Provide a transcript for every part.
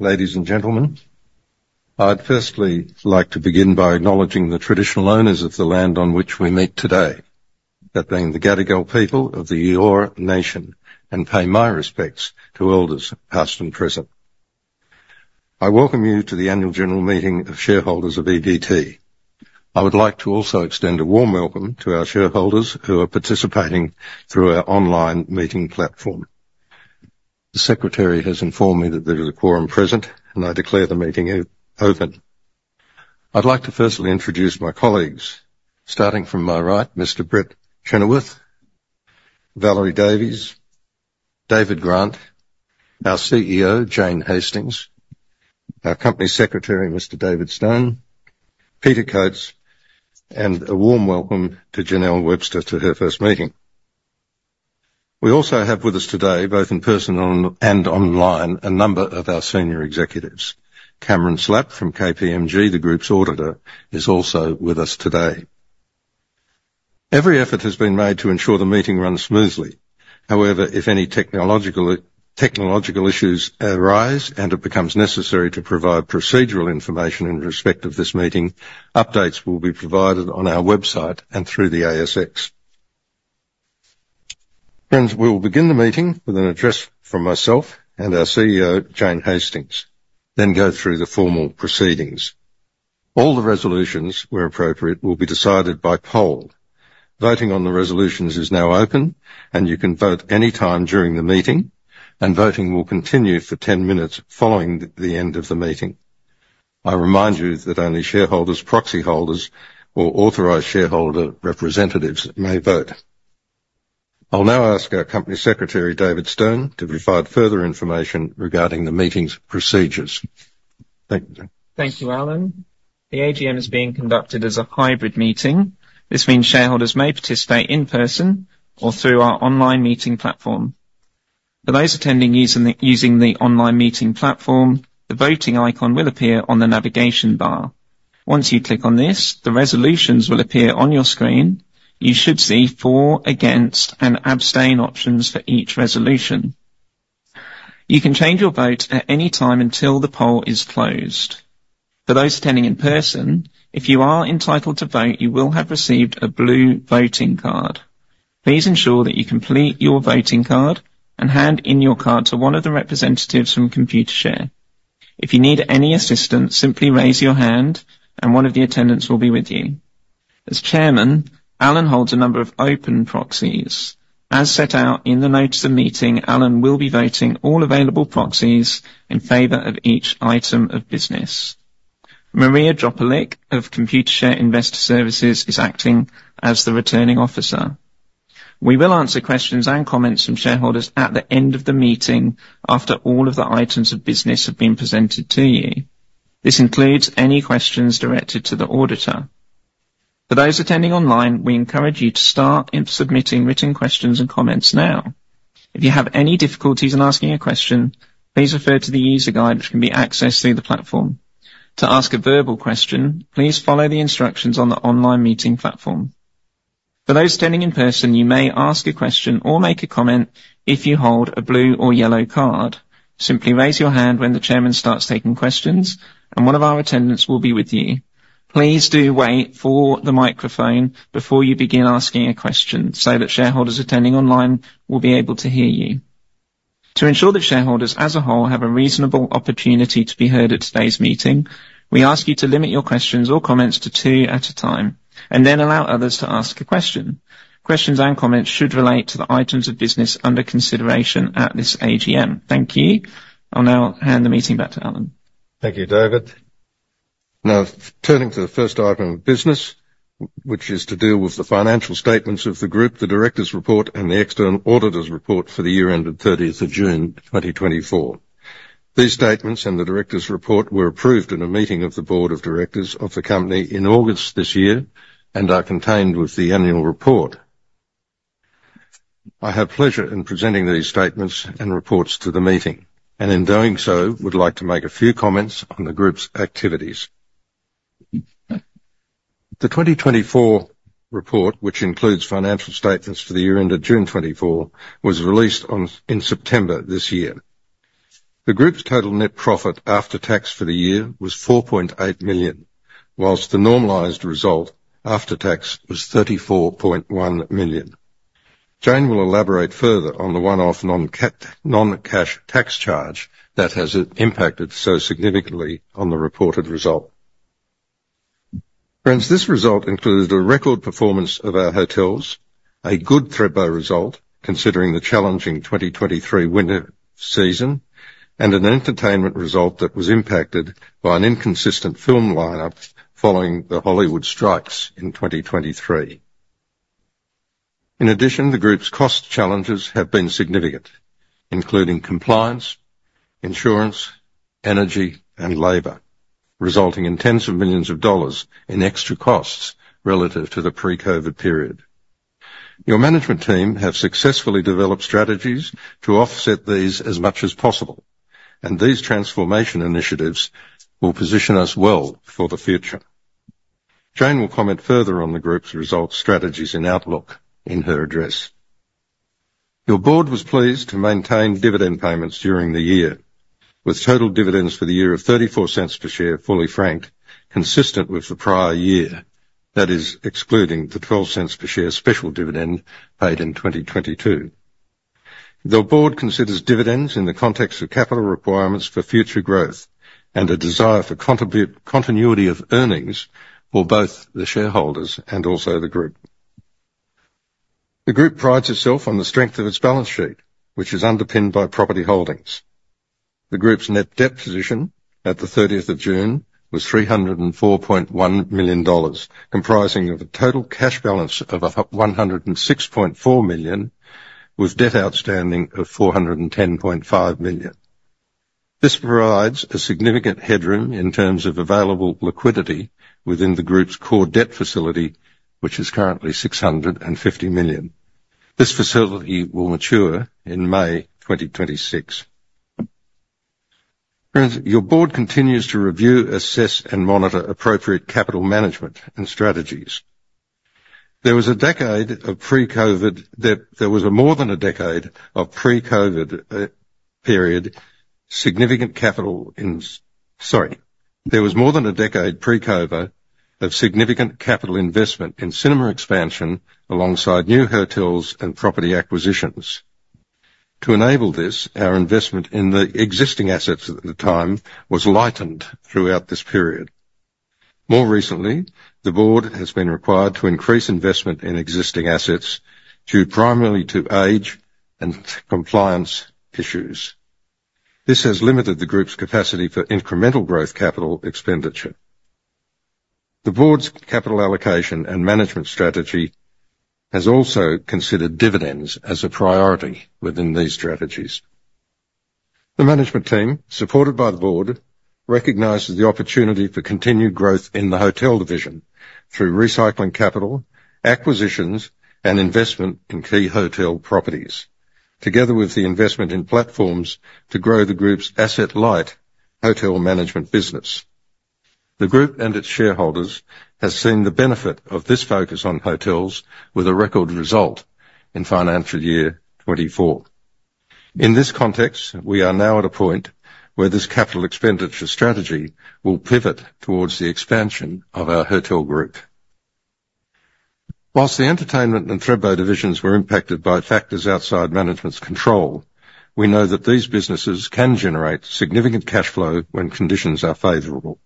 Ladies and gentlemen, I'd firstly like to begin by acknowledging the traditional owners of the land on which we meet today, that being the Gadigal people of the Eora Nation, and pay my respects to elders, past and present. I welcome you to the annual general meeting of shareholders of EVT. I would like to also extend a warm welcome to our shareholders who are participating through our online meeting platform. The secretary has informed me that there is a quorum present, and I declare the meeting open. I'd like to firstly introduce my colleagues. Starting from my right, Mr. Brett Chenoweth, Valerie Davies, David Grant, our CEO, Jane Hastings, our Company Secretary, Mr. David Stone, Peter Coates, and a warm welcome to Janelle Webster to her first meeting. We also have with us today, both in person and online, a number of our senior executives. Cameron Slapp from KPMG, the group's auditor, is also with us today. Every effort has been made to ensure the meeting runs smoothly. However, if any technological issues arise and it becomes necessary to provide procedural information in respect of this meeting, updates will be provided on our website and through the ASX. Friends, we will begin the meeting with an address from myself and our CEO, Jane Hastings, then go through the formal proceedings. All the resolutions, where appropriate, will be decided by poll. Voting on the resolutions is now open, and you can vote anytime during the meeting, and voting will continue for ten minutes following the end of the meeting. I remind you that only shareholders, proxy holders, or authorised shareholder representatives may vote. I'll now ask our Company Secretary, c, to provide further information regarding the meeting's procedures. Thank you, David. Thank you, Alan. The AGM is being conducted as a hybrid meeting. This means shareholders may participate in person or through our online meeting platform. For those attending using the online meeting platform, the voting icon will appear on the navigation bar. Once you click on this, the resolutions will appear on your screen. You should see for, against, and abstain options for each resolution. You can change your vote at any time until the poll is closed. For those attending in person, if you are entitled to vote, you will have received a blue voting card. Please ensure that you complete your voting card and hand in your card to one of the representatives from Computershare. If you need any assistance, simply raise your hand and one of the attendants will be with you. As chairman, Alan holds a number of open proxies. As set out in the notice of meeting, Alan will be voting all available proxies in favor of each item of business. Maria Dropulic of Computershare Investor Services is acting as the Returning Officer. We will answer questions and comments from shareholders at the end of the meeting after all of the items of business have been presented to you. This includes any questions directed to the auditor. For those attending online, we encourage you to start submitting written questions and comments now. If you have any difficulties in asking a question, please refer to the user guide, which can be accessed through the platform. To ask a verbal question, please follow the instructions on the online meeting platform. For those attending in person, you may ask a question or make a comment if you hold a blue or yellow card. Simply raise your hand when the chairman starts taking questions, and one of our attendants will be with you. Please do wait for the microphone before you begin asking a question, so that shareholders attending online will be able to hear you. To ensure that shareholders, as a whole, have a reasonable opportunity to be heard at today's meeting, we ask you to limit your questions or comments to two at a time, and then allow others to ask a question. Questions and comments should relate to the items of business under consideration at this AGM. Thank you. I'll now hand the meeting back to Alan. Thank you, David. Now, turning to the first item of business, which is to deal with the financial statements of the group, the directors' report, and the external auditors' report for the year ended thirtieth of June, twenty twenty-four. These statements and the directors' report were approved in a meeting of the board of directors of the company in August this year and are contained within the annual report. I have pleasure in presenting these statements and reports to the meeting, and in doing so, would like to make a few comments on the group's activities. The twenty twenty-four report, which includes financial statements for the year ended June twenty-four, was released in September this year. The group's total net profit after tax for the year was 4.8 million, while the normalized result after tax was 34.1 million. Jane will elaborate further on the one-off non-cap, non-cash tax charge that has impacted so significantly on the reported result. Friends, this result includes a record performance of our hotels, a good Thredbo result, considering the challenging 2023 winter season, and an entertainment result that was impacted by an inconsistent film lineup following the Hollywood strikes in 2023. In addition, the group's cost challenges have been significant, including compliance, insurance, energy, and labor, resulting in tens of millions of AUD in extra costs relative to the pre-COVID period. Your management team have successfully developed strategies to offset these as much as possible, and these transformation initiatives will position us well for the future. Jane will comment further on the group's results, strategies, and outlook in her address... Your board was pleased to maintain dividend payments during the year, with total dividends for the year of 0.34 per share, fully franked, consistent with the prior year. That is excluding the 0.12 per share special dividend paid in 2022. The board considers dividends in the context of capital requirements for future growth and a desire for continuity of earnings for both the shareholders and also the group. The group prides itself on the strength of its balance sheet, which is underpinned by property holdings. The group's net debt position at the thirtieth of June was 304.1 million dollars, comprising of a total cash balance of 106.4 million, with debt outstanding of 410.5 million. This provides a significant headroom in terms of available liquidity within the group's core debt facility, which is currently 650 million. This facility will mature in May 2026. Your board continues to review, assess, and monitor appropriate capital management and strategies. There was more than a decade pre-COVID of significant capital investment in cinema expansion alongside new hotels and property acquisitions. To enable this, our investment in the existing assets at the time was lightened throughout this period. More recently, the board has been required to increase investment in existing assets due primarily to age and compliance issues. This has limited the group's capacity for incremental growth capital expenditure. The board's capital allocation and management strategy has also considered dividends as a priority within these strategies. The management team, supported by the board, recognizes the opportunity for continued growth in the hotel division through recycling capital, acquisitions, and investment in key hotel properties, together with the investment in platforms to grow the group's asset-light hotel management business. The group and its shareholders has seen the benefit of this focus on hotels with a record result in financial year twenty-four. In this context, we are now at a point where this capital expenditure strategy will pivot towards the expansion of our hotel group. While the entertainment and Thredbo divisions were impacted by factors outside management's control, we know that these businesses can generate significant cash flow when conditions are favorable.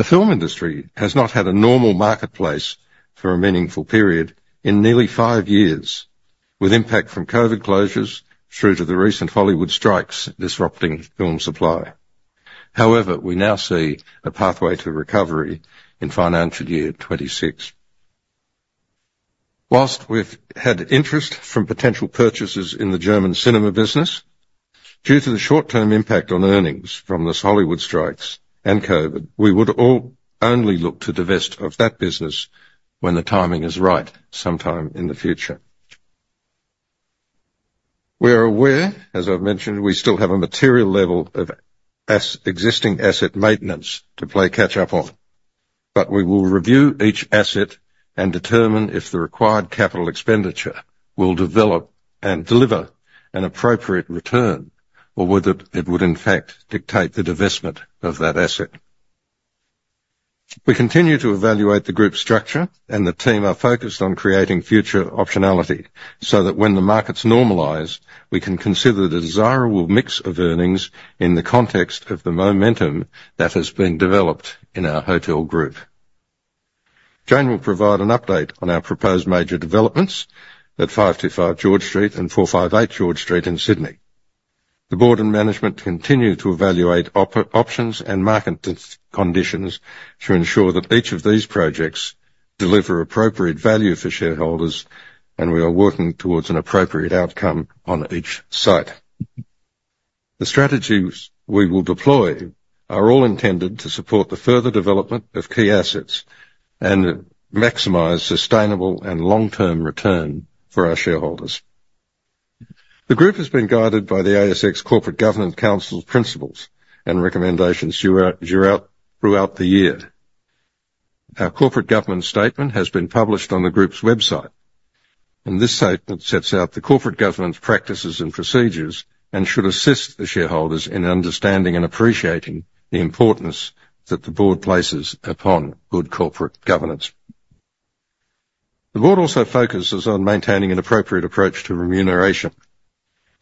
The film industry has not had a normal marketplace for a meaningful period in nearly five years, with impact from COVID closures through to the recent Hollywood strikes disrupting film supply. However, we now see a pathway to recovery in financial year 2026. While we've had interest from potential purchasers in the German cinema business, due to the short-term impact on earnings from these Hollywood strikes and COVID, we would all only look to divest of that business when the timing is right, sometime in the future. We are aware, as I've mentioned, we still have a material level of existing asset maintenance to play catch up on, but we will review each asset and determine if the required capital expenditure will develop and deliver an appropriate return, or whether it would, in fact, dictate the divestment of that asset. We continue to evaluate the group's structure, and the team are focused on creating future optionality so that when the markets normalize, we can consider the desirable mix of earnings in the context of the momentum that has been developed in our hotel group. Jane will provide an update on our proposed major developments at 525 George Street and 458 George Street in Sydney. The board and management continue to evaluate options and market conditions to ensure that each of these projects deliver appropriate value for shareholders, and we are working towards an appropriate outcome on each site. The strategies we will deploy are all intended to support the further development of key assets and maximize sustainable and long-term return for our shareholders. The group has been guided by the ASX Corporate Governance Council principles and recommendations throughout the year. Our corporate governance statement has been published on the group's website, and this statement sets out the corporate governance practices and procedures and should assist the shareholders in understanding and appreciating the importance that the board places upon good corporate governance. The board also focuses on maintaining an appropriate approach to remuneration, and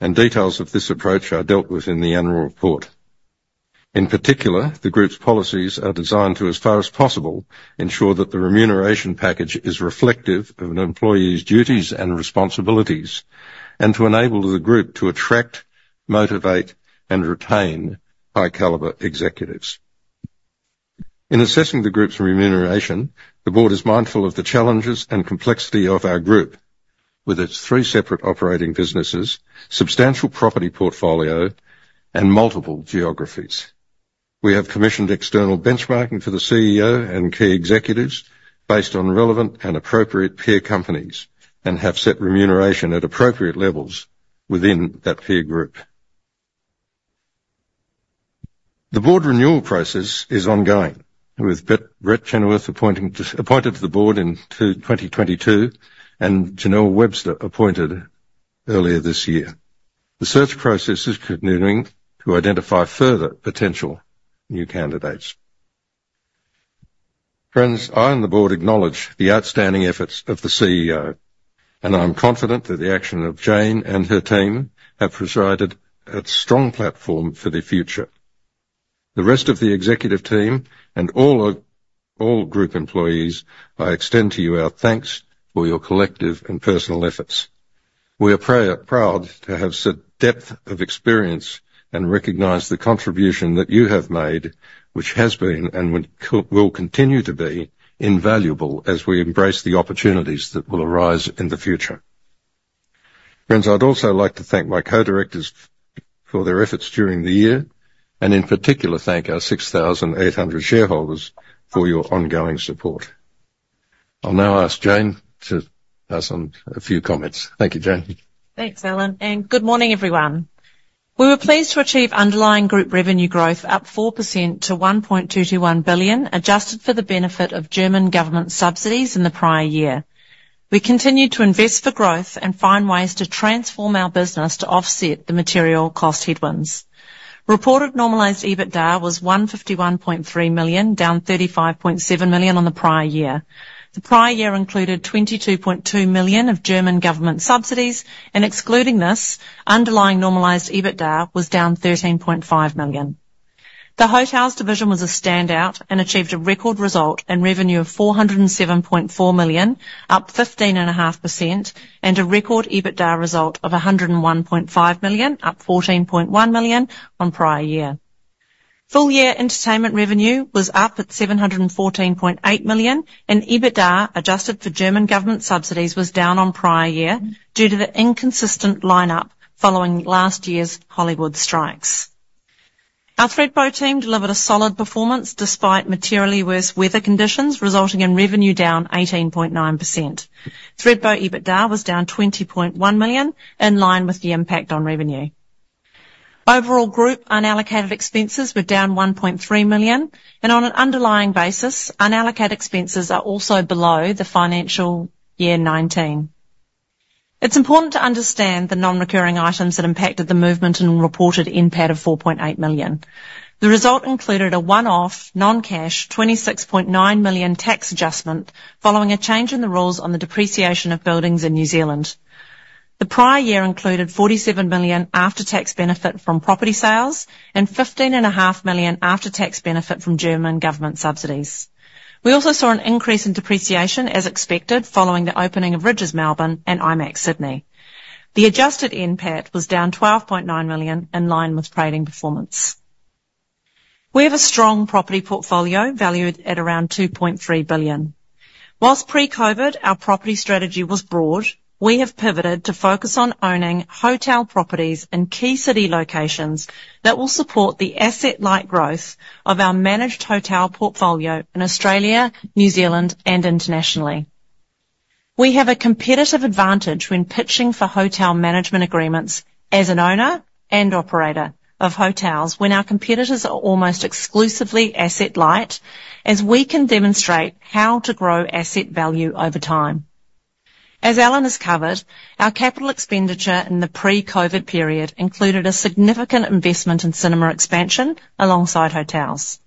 details of this approach are dealt with in the annual report. In particular, the group's policies are designed to, as far as possible, ensure that the remuneration package is reflective of an employee's duties and responsibilities, and to enable the group to attract, motivate, and retain high-caliber executives. In assessing the group's remuneration, the board is mindful of the challenges and complexity of our group, with its three separate operating businesses, substantial property portfolio, and multiple geographies. We have commissioned external benchmarking for the CEO and key executives based on relevant and appropriate peer companies and have set remuneration at appropriate levels within that peer group. The board renewal process is ongoing, with Brett Chenoweth appointed to the board in 2022, and Janelle Webster appointed earlier this year. The search process is continuing to identify further potential new candidates. Friends, I and the board acknowledge the outstanding efforts of the CEO, and I'm confident that the action of Jane and her team have provided a strong platform for the future. The rest of the executive team and all group employees, I extend to you our thanks for your collective and personal efforts. We are proud to have such depth of experience, and recognize the contribution that you have made, which has been, and which will continue to be, invaluable as we embrace the opportunities that will arise in the future. Friends, I'd also like to thank my co-directors for their efforts during the year, and in particular, thank our six thousand eight hundred shareholders for your ongoing support. I'll now ask Jane to pass on a few comments. Thank you, Jane. Thanks, Alan, and good morning, everyone. We were pleased to achieve underlying group revenue growth, up 4% to 1.221 billion, adjusted for the benefit of German government subsidies in the prior year. We continued to invest for growth and find ways to transform our business to offset the material cost headwinds. Reported normalized EBITDA was 151.3 million, down 35.7 million on the prior year. The prior year included 22.2 million of German government subsidies, and excluding this, underlying normalized EBITDA was down 13.5 million. The hotels division was a standout and achieved a record result in revenue of 407.4 million, up 15.5%, and a record EBITDA result of 101.5 million, up 14.1 million on prior year. Full year entertainment revenue was up at 714.8 million, and EBITDA, adjusted for German government subsidies, was down on prior year due to the inconsistent lineup following last year's Hollywood strikes. Our Thredbo team delivered a solid performance despite materially worse weather conditions, resulting in revenue down 18.9%. Thredbo EBITDA was down 20.1 million, in line with the impact on revenue. Overall, group unallocated expenses were down 1.3 million, and on an underlying basis, unallocated expenses are also below the financial year 2019. It's important to understand the non-recurring items that impacted the movement in reported NPAT of 4.8 million. The result included a one-off, non-cash, 26.9 million tax adjustment following a change in the rules on the depreciation of buildings in New Zealand. The prior year included 47 million after-tax benefit from property sales and 15.5 million after-tax benefit from German government subsidies. We also saw an increase in depreciation as expected, following the opening of Rydges Melbourne and IMAX Sydney. The adjusted NPAT was down 12.9 million, in line with trading performance. We have a strong property portfolio valued at around 2.3 billion. While pre-COVID, our property strategy was broad, we have pivoted to focus on owning hotel properties in key city locations that will support the asset-light growth of our managed hotel portfolio in Australia, New Zealand, and internationally. We have a competitive advantage when pitching for hotel management agreements as an owner and operator of hotels, when our competitors are almost exclusively asset light, as we can demonstrate how to grow asset value over time. As Alan has covered, our capital expenditure in the pre-COVID period included a significant investment in cinema expansion alongside hotels.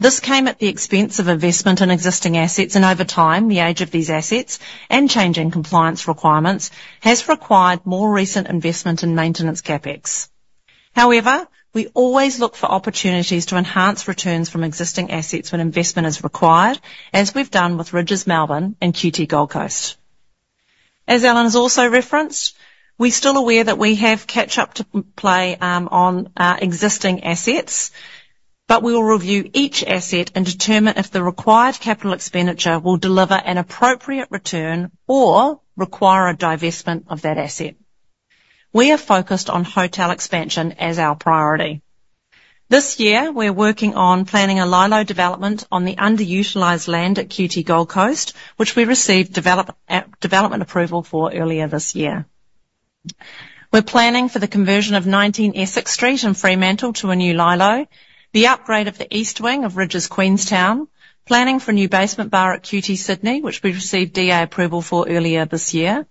This came at the expense of investment in existing assets, and over time, the age of these assets and changing compliance requirements has required more recent investment and maintenance CapEx. However, we always look for opportunities to enhance returns from existing assets when investment is required, as we've done with Rydges Melbourne and QT Gold Coast. As Alan has also referenced, we're still aware that we have catch-up to play on our existing assets, but we will review each asset and determine if the required capital expenditure will deliver an appropriate return or require a divestment of that asset. We are focused on hotel expansion as our priority. This year, we're working on planning a LyLo development on the underutilized land at QT Gold Coast, which we received development approval for earlier this year. We're planning for the conversion of 19 Essex Street in Fremantle to a new LyLo, the upgrade of the east wing of Rydges Queenstown, planning for a new basement bar at QT Sydney, which we received DA approval for earlier this year.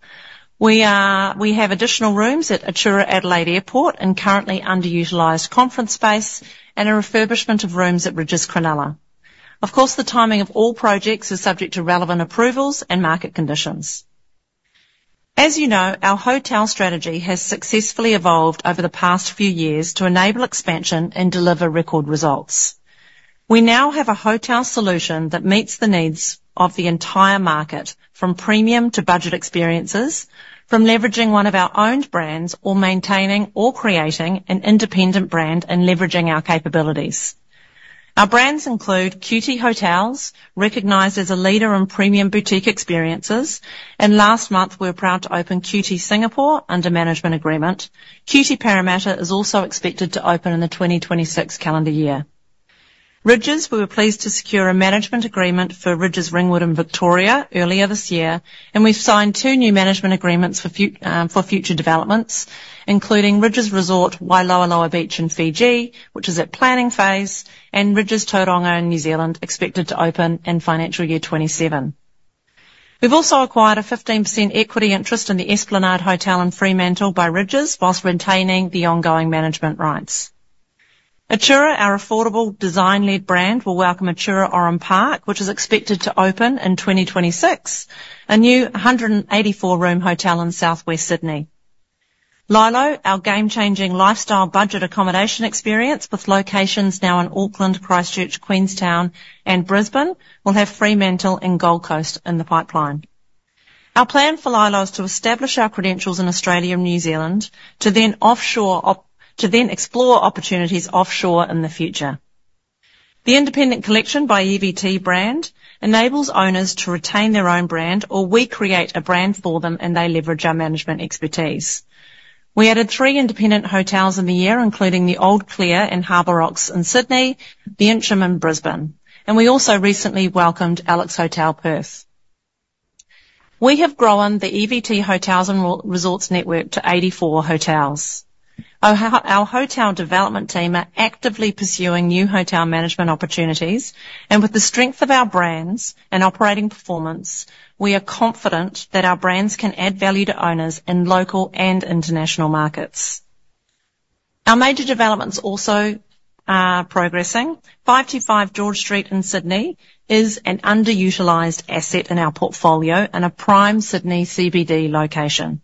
We have additional rooms at Atura Adelaide Airport and currently underutilized conference space, and a refurbishment of rooms at Rydges Cronulla. Of course, the timing of all projects is subject to relevant approvals and market conditions. As you know, our hotel strategy has successfully evolved over the past few years to enable expansion and deliver record results. We now have a hotel solution that meets the needs of the entire market, from premium to budget experiences, from leveraging one of our owned brands, or maintaining or creating an independent brand and leveraging our capabilities. Our brands include QT Hotels, recognized as a leader in premium boutique experiences, and last month, we were proud to open QT Singapore under management agreement. QT Parramatta is also expected to open in the 2026 calendar year. Rydges, we were pleased to secure a management agreement for Rydges Ringwood in Victoria earlier this year, and we've signed two new management agreements for future developments, including Rydges Resort, Wailoaloa Beach in Fiji, which is at planning phase, and Rydges Tauranga in New Zealand, expected to open in financial year 2027. We've also acquired a 15% equity interest in the Esplanade Hotel Fremantle by Rydges, whilst retaining the ongoing management rights. Atura, our affordable design-led brand, will welcome Atura Oran Park, which is expected to open in 2026, a new 184-room hotel in Southwest Sydney. LyLo, our game-changing lifestyle budget accommodation experience with locations now in Auckland, Christchurch, Queenstown, and Brisbane, will have Fremantle and Gold Coast in the pipeline. Our plan for LyLo is to establish our credentials in Australia and New Zealand, to then explore opportunities offshore in the future. The Independent Collection by EVT brand enables owners to retain their own brand, or we create a brand for them, and they leverage our management expertise. We added three independent hotels in the year, including The Old Clare Hotel and Harbour Rocks Hotel in Sydney, The Inchcolm in Brisbane, and we also recently welcomed Alex Hotel, Perth. We have grown the EVT Hotels and Rydges Resorts network to 84 hotels. Our hotel development team are actively pursuing new hotel management opportunities, and with the strength of our brands and operating performance, we are confident that our brands can add value to owners in local and international markets. Our major developments also are progressing. 525 George Street in Sydney is an underutilized asset in our portfolio and a prime Sydney CBD location.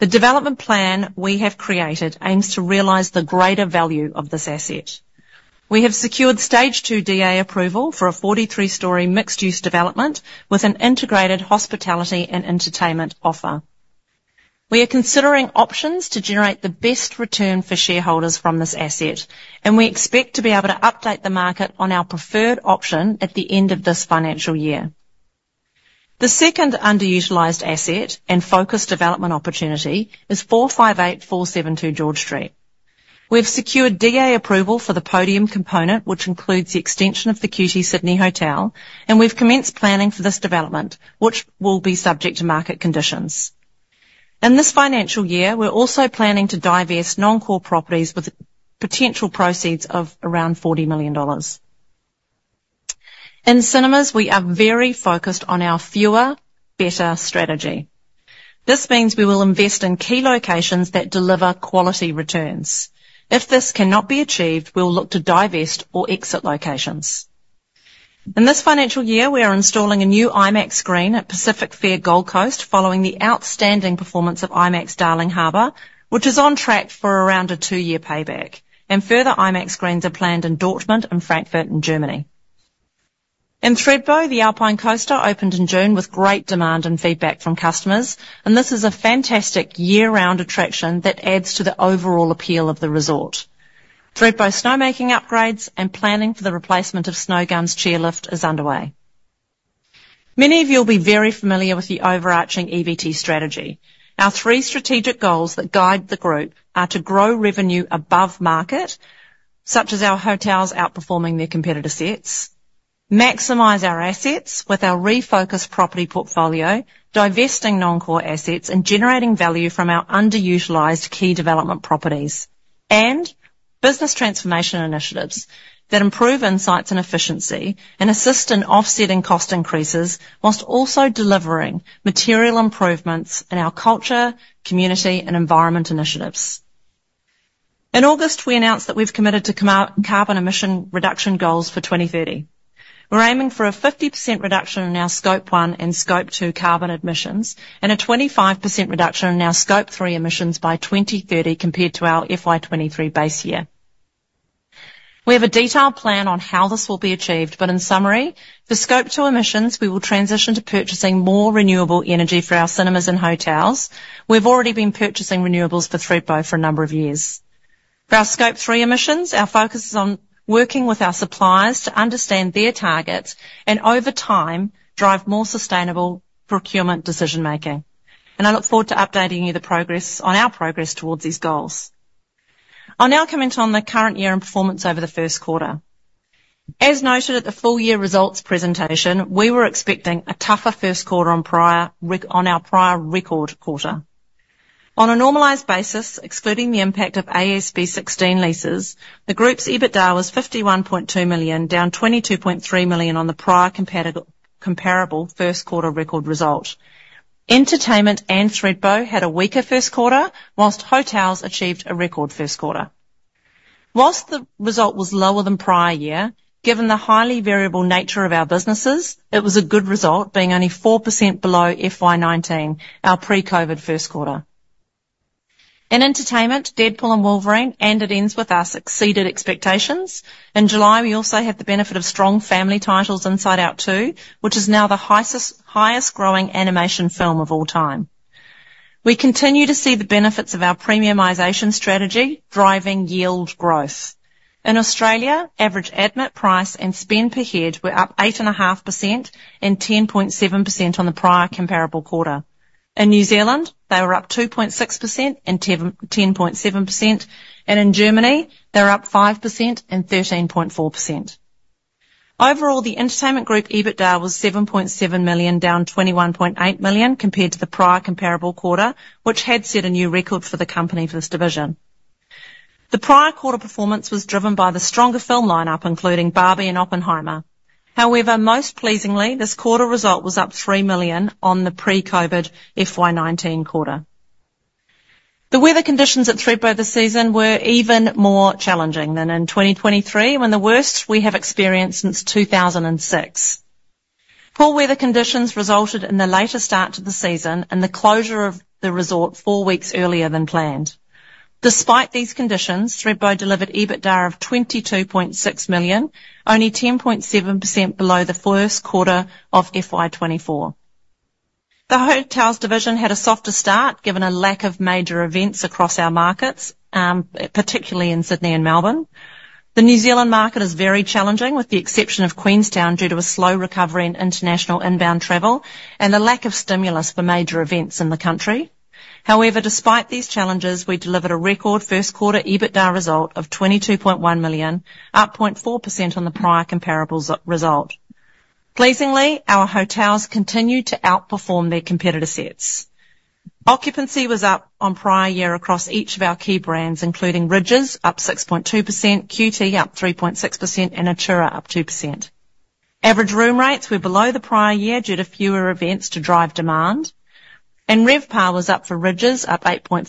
The development plan we have created aims to realize the greater value of this asset. We have secured stage 2 DA approval for a 43-story mixed-use development with an integrated hospitality and entertainment offer. We are considering options to generate the best return for shareholders from this asset, and we expect to be able to update the market on our preferred option at the end of this financial year. The second underutilized asset and focus development opportunity is 458-472 George Street. We've secured DA approval for the podium component, which includes the extension of the QT Sydney Hotel, and we've commenced planning for this development, which will be subject to market conditions. In this financial year, we're also planning to divest non-core properties with potential proceeds of around 40 million dollars. In cinemas, we are very focused on our fewer, better strategy. This means we will invest in key locations that deliver quality returns. If this cannot be achieved, we will look to divest or exit locations. In this financial year, we are installing a new IMAX screen at Pacific Fair, Gold Coast, following the outstanding performance of IMAX, Darling Harbour, which is on track for around a two-year payback, and further IMAX screens are planned in Dortmund and Frankfurt in Germany. In Thredbo, the Alpine Coaster opened in June with great demand and feedback from customers, and this is a fantastic year-round attraction that adds to the overall appeal of the resort. Thredbo snowmaking upgrades and planning for the replacement of Snowgums Chairlift is underway. Many of you will be very familiar with the overarching EVT strategy. Our three strategic goals that guide the group are to grow revenue above market, such as our hotels outperforming their competitor sets, maximize our assets with our refocused property portfolio, divesting non-core assets, and generating value from our underutilized key development properties, and business transformation initiatives that improve insights and efficiency and assist in offsetting cost increases, while also delivering material improvements in our culture, community, and environment initiatives. In August, we announced that we've committed to carbon emission reduction goals for 2030. We're aiming for a 50% reduction in our Scope 1 and Scope 2 carbon emissions, and a 25% reduction in our Scope 3 emissions by 2030 compared to our FY 2023 base year. We have a detailed plan on how this will be achieved, but in summary, for Scope two emissions, we will transition to purchasing more renewable energy for our cinemas and hotels. We've already been purchasing renewables for Thredbo for a number of years. For our Scope three emissions, our focus is on working with our suppliers to understand their targets, and over time, drive more sustainable procurement decision-making, and I look forward to updating you on the progress, on our progress towards these goals. I'll now comment on the current year-end performance over the first quarter. As noted at the full year results presentation, we were expecting a tougher first quarter on our prior record quarter. On a normalized basis, excluding the impact of AASB 16 leases, the group's EBITDA was 51.2 million, down 22.3 million on the prior comparable first quarter record result. Entertainment and Thredbo had a weaker first quarter, while hotels achieved a record first quarter. While the result was lower than prior year, given the highly variable nature of our businesses, it was a good result, being only 4% below FY 2019, our pre-COVID first quarter. In entertainment, Deadpool & Wolverine, and It Ends with Us exceeded expectations. In July, we also had the benefit of strong family titles, Inside Out 2, which is now the highest growing animation film of all time. We continue to see the benefits of our premiumization strategy, driving yield growth. In Australia, average admit price and spend per head were up 8.5% and 10.7% on the prior comparable quarter. In New Zealand, they were up 2.6% and 10.7%, and in Germany, they were up 5% and 13.4%.... Overall, the Entertainment Group EBITDA was 7.7 million, down 21.8 million compared to the prior comparable quarter, which had set a new record for the company for this division. The prior quarter performance was driven by the stronger film lineup, including Barbie and Oppenheimer. However, most pleasingly, this quarter result was up 3 million on the pre-COVID FY 2019 quarter. The weather conditions at Thredbo this season were even more challenging than in 2023, when the worst we have experienced since 2006. Poor weather conditions resulted in the later start to the season and the closure of the resort four weeks earlier than planned. Despite these conditions, Thredbo delivered EBITDA of 22.6 million, only 10.7% below the first quarter of FY twenty-four. The Hotels division had a softer start, given a lack of major events across our markets, particularly in Sydney and Melbourne. The New Zealand market is very challenging, with the exception of Queenstown, due to a slow recovery in international inbound travel and a lack of stimulus for major events in the country. However, despite these challenges, we delivered a record first quarter EBITDA result of 22.1 million, up 0.4% on the prior comparables result. Pleasingly, our hotels continued to outperform their competitor sets. Occupancy was up on prior year across each of our key brands, including Rydges, up 6.2%, QT up 3.6%, and Atura up 2%. Average room rates were below the prior year due to fewer events to drive demand, and RevPAR was up for Rydges, up 8.4%,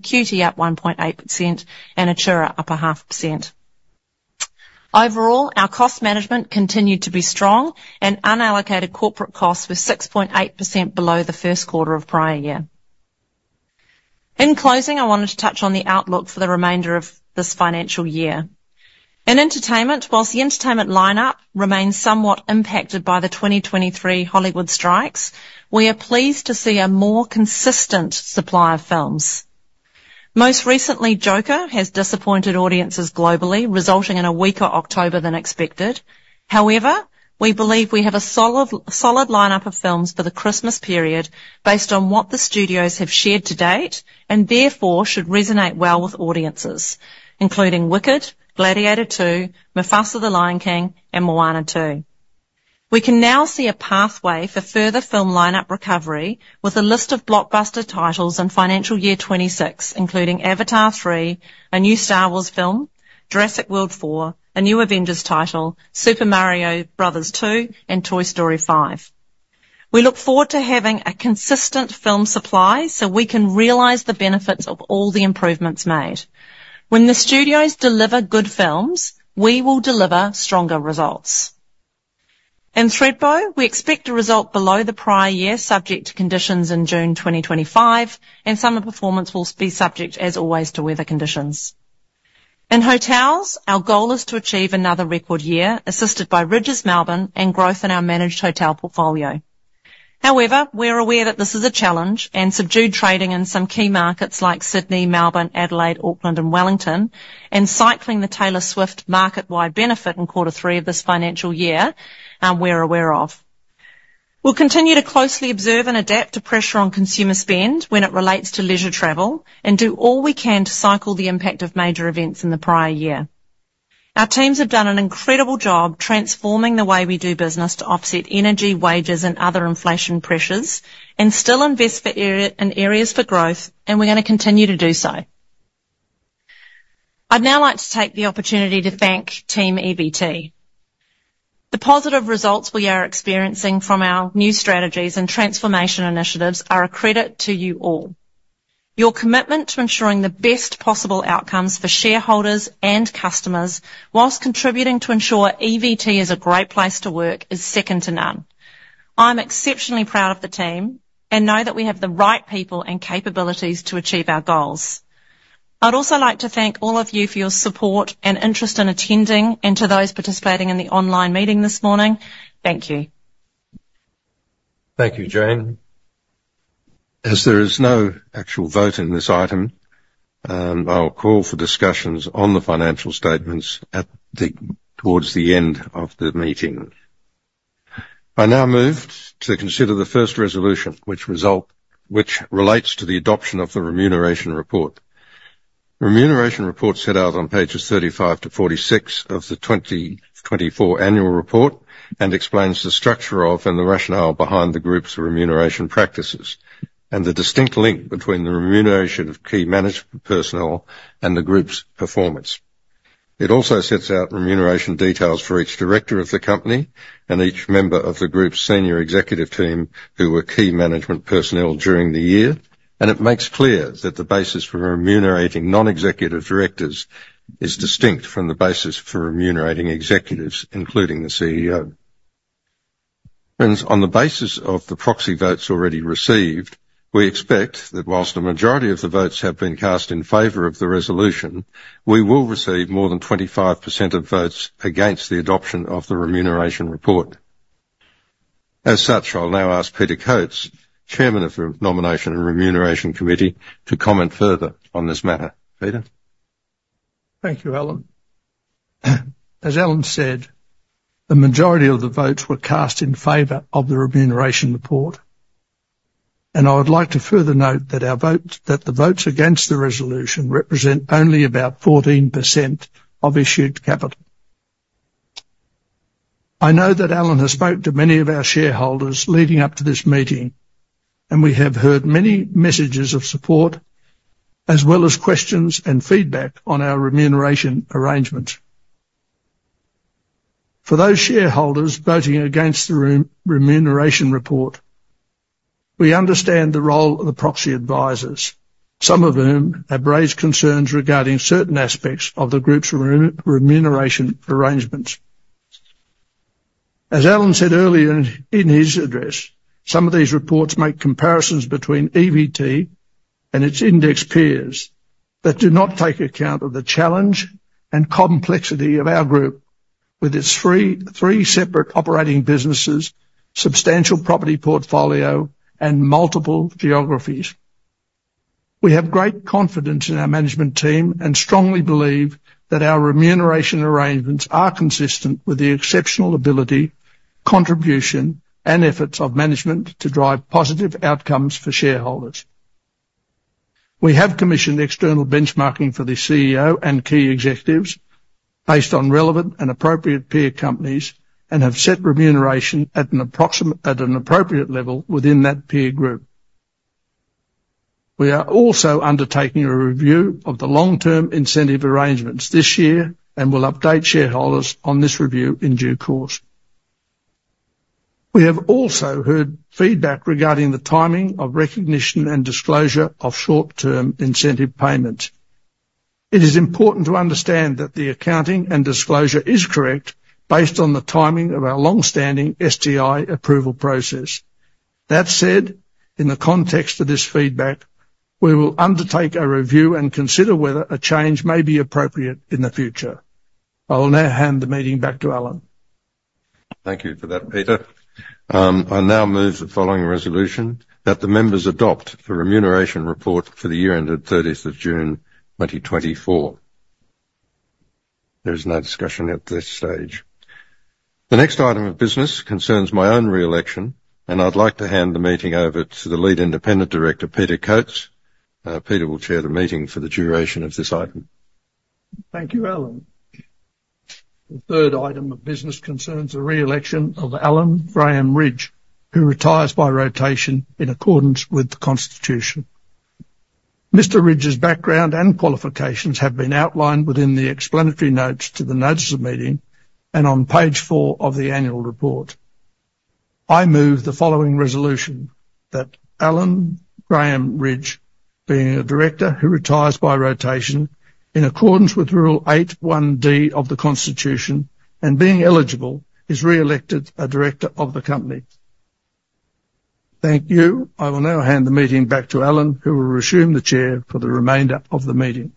QT up 1.8%, and Atura up 0.5%. Overall, our cost management continued to be strong, and unallocated corporate costs were 6.8% below the first quarter of prior year. In closing, I wanted to touch on the outlook for the remainder of this financial year. In Entertainment, while the entertainment lineup remains somewhat impacted by the 2023 Hollywood strikes, we are pleased to see a more consistent supply of films. Most recently, Joker has disappointed audiences globally, resulting in a weaker October than expected. However, we believe we have a solid, solid lineup of films for the Christmas period based on what the studios have shared to date, and therefore should resonate well with audiences, including Wicked, Gladiator II, Mufasa: The Lion King, and Moana 2. We can now see a pathway for further film lineup recovery with a list of blockbuster titles in financial year 2026, including Avatar 3, a new Star Wars film, Jurassic World 4, a new Avengers title, Super Mario Bros. 2, and Toy Story 5. We look forward to having a consistent film supply so we can realize the benefits of all the improvements made. When the studios deliver good films, we will deliver stronger results. In Thredbo, we expect a result below the prior year, subject to conditions in June 2025, and summer performance will be subject, as always, to weather conditions. In hotels, our goal is to achieve another record year, assisted by Rydges Melbourne and growth in our managed hotel portfolio. However, we're aware that this is a challenge and subdued trading in some key markets like Sydney, Melbourne, Adelaide, Auckland, and Wellington, and cycling the Taylor Swift market-wide benefit in quarter three of this financial year, we're aware of. We'll continue to closely observe and adapt to pressure on consumer spend when it relates to leisure travel and do all we can to cycle the impact of major events in the prior year. Our teams have done an incredible job transforming the way we do business to offset energy, wages, and other inflation pressures and still invest in areas for growth, and we're gonna continue to do so. I'd now like to take the opportunity to thank Team EVT. The positive results we are experiencing from our new strategies and transformation initiatives are a credit to you all. Your commitment to ensuring the best possible outcomes for shareholders and customers, while contributing to ensure EVT is a great place to work, is second to none. I'm exceptionally proud of the team and know that we have the right people and capabilities to achieve our goals. I'd also like to thank all of you for your support and interest in attending and to those participating in the online meeting this morning. Thank you. Thank you, Jane. As there is no actual vote in this item, I'll call for discussions on the financial statements towards the end of the meeting. I now move to consider the first resolution, which relates to the adoption of the Remuneration Report. Remuneration report set out on pages 35 to 46 of the 2024 annual report, and explains the structure of and the rationale behind the group's remuneration practices, and the distinct link between the remuneration of key management personnel and the group's performance. It also sets out remuneration details for each director of the company and each member of the group's senior executive team, who were key management personnel during the year. It makes clear that the basis for remunerating non-executive directors is distinct from the basis for remunerating executives, including the CEO. On the basis of the proxy votes already received, we expect that while the majority of the votes have been cast in favor of the resolution, we will receive more than 25% of votes against the adoption of the Remuneration Report. As such, I'll now ask Peter Coates, Chairman of the Nomination and Remuneration Committee, to comment further on this matter. Peter? Thank you, Alan. As Alan said, the majority of the votes were cast in favor of the Remuneration Report. I would like to further note that our votes, that the votes against the resolution represent only about 14% of issued capital. I know that Alan has spoke to many of our shareholders leading up to this meeting, and we have heard many messages of support, as well as questions and feedback on our remuneration arrangement. For those shareholders voting against the Remuneration Report, we understand the role of the proxy advisors, some of whom have raised concerns regarding certain aspects of the group's remuneration arrangements. As Alan said earlier in his address, some of these reports make comparisons between EVT and its index peers that do not take account of the challenge and complexity of our group, with its three separate operating businesses, substantial property portfolio, and multiple geographies. We have great confidence in our management team and strongly believe that our remuneration arrangements are consistent with the exceptional ability, contribution, and efforts of management to drive positive outcomes for shareholders. We have commissioned external benchmarking for the CEO and key executives based on relevant and appropriate peer companies, and have set remuneration at an appropriate level within that peer group. We are also undertaking a review of the long-term incentive arrangements this year and will update shareholders on this review in due course. We have also heard feedback regarding the timing of recognition and disclosure of short-term incentive payments. It is important to understand that the accounting and disclosure is correct based on the timing of our long-standing STI approval process. That said, in the context of this feedback, we will undertake a review and consider whether a change may be appropriate in the future. I will now hand the meeting back to Alan. Thank you for that, Peter. I now move the following resolution, that the members adopt the remuneration report for the year ended thirtieth of June, twenty twenty-four. There is no discussion at this stage. The next item of business concerns my own re-election, and I'd like to hand the meeting over to the Lead Independent Director, Peter Coates. Peter will chair the meeting for the duration of this item. Thank you, Alan. The third item of business concerns the re-election of Alan Rydge, who retires by rotation in accordance with the Constitution. Mr. Rydge's background and qualifications have been outlined within the explanatory notes to the Notice of Meeting and on page four of the Annual Report. I move the following resolution, that Alan Rydge, being a director who retires by rotation in accordance with Rule eight one D of the Constitution and being eligible, is re-elected a director of the company. Thank you. I will now hand the meeting back to Alan, who will resume the chair for the remainder of the meeting.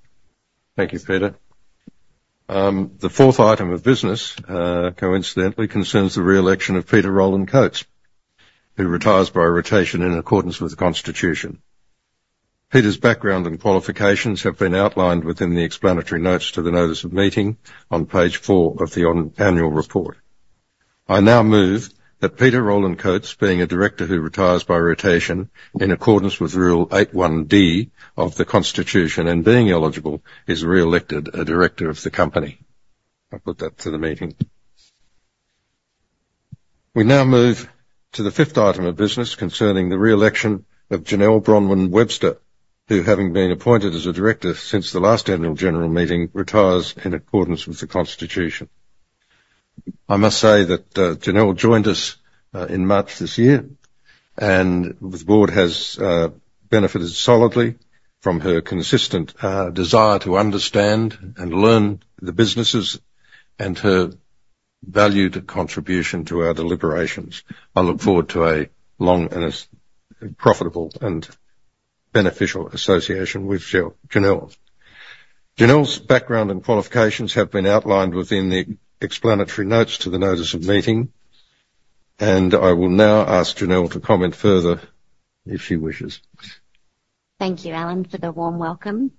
Thank you, Peter. The fourth item of business, coincidentally, concerns the re-election of Peter Roland Coates, who retires by rotation in accordance with the Constitution. Peter's background and qualifications have been outlined within the explanatory notes to the Notice of Meeting on page four of the annual report. I now move that Peter Roland Coates, being a director who retires by rotation in accordance with Rule 81D of the Constitution and being eligible, is re-elected a director of the company. I put that to the meeting. We now move to the fifth item of business concerning the re-election of Janelle Bronwyn Webster, who, having been appointed as a director since the last annual general meeting, retires in accordance with the Constitution. I must say that Janelle joined us in March this year, and the board has benefited solidly from her consistent desire to understand and learn the businesses and her valued contribution to our deliberations. I look forward to a long and profitable and beneficial association with Janelle. Janelle's background and qualifications have been outlined within the explanatory notes to the Notice of Meeting, and I will now ask Janelle to comment further if she wishes. Thank you, Alan, for the warm welcome.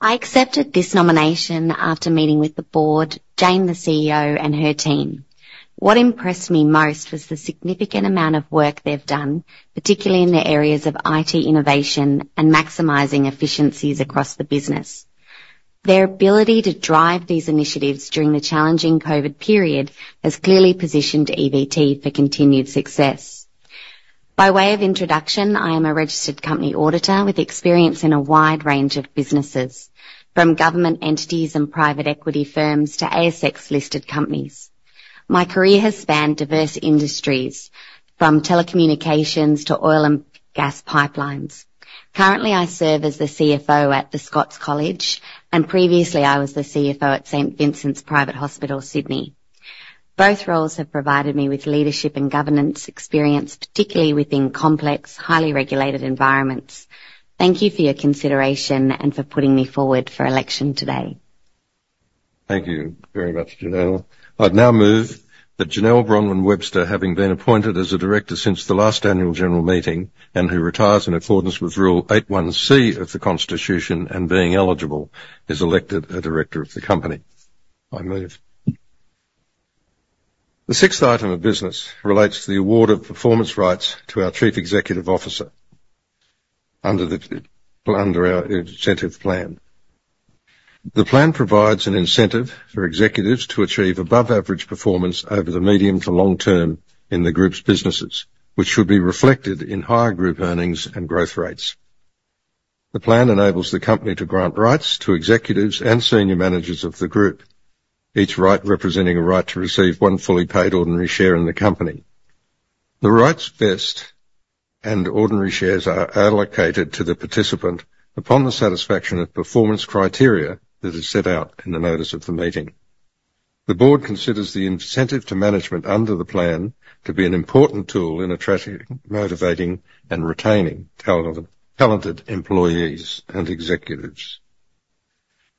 I accepted this nomination after meeting with the board, Jane, the CEO, and her team. What impressed me most was the significant amount of work they've done, particularly in the areas of IT innovation and maximizing efficiencies across the business. Their ability to drive these initiatives during the challenging COVID period has clearly positioned EVT for continued success. By way of introduction, I am a registered company auditor with experience in a wide range of businesses, from government entities and private equity firms to ASX-listed companies. My career has spanned diverse industries, from telecommunications to oil and gas pipelines. Currently, I serve as the CFO at The Scots College, and previously I was the CFO at St Vincent's Private Hospital Sydney. Both roles have provided me with leadership and governance experience, particularly within complex, highly regulated environments. Thank you for your consideration and for putting me forward for election today. Thank you very much, Janelle. I'd now move that Janelle Bronwyn Webster, having been appointed as a director since the last annual general meeting, and who retires in accordance with Rule eight one C of the Constitution and being eligible, is elected a director of the company. I move. The sixth item of business relates to the award of performance rights to our Chief Executive Officer under the, under our incentive plan. The plan provides an incentive for executives to achieve above average performance over the medium to long term in the group's businesses, which should be reflected in higher group earnings and growth rates. The plan enables the company to grant rights to executives and senior managers of the group, each right representing a right to receive one fully paid ordinary share in the company. The rights vest, and ordinary shares are allocated to the participant upon the satisfaction of performance criteria that is set out in the notice of the meeting. The board considers the incentive to management under the plan to be an important tool in attracting, motivating, and retaining talented employees and executives.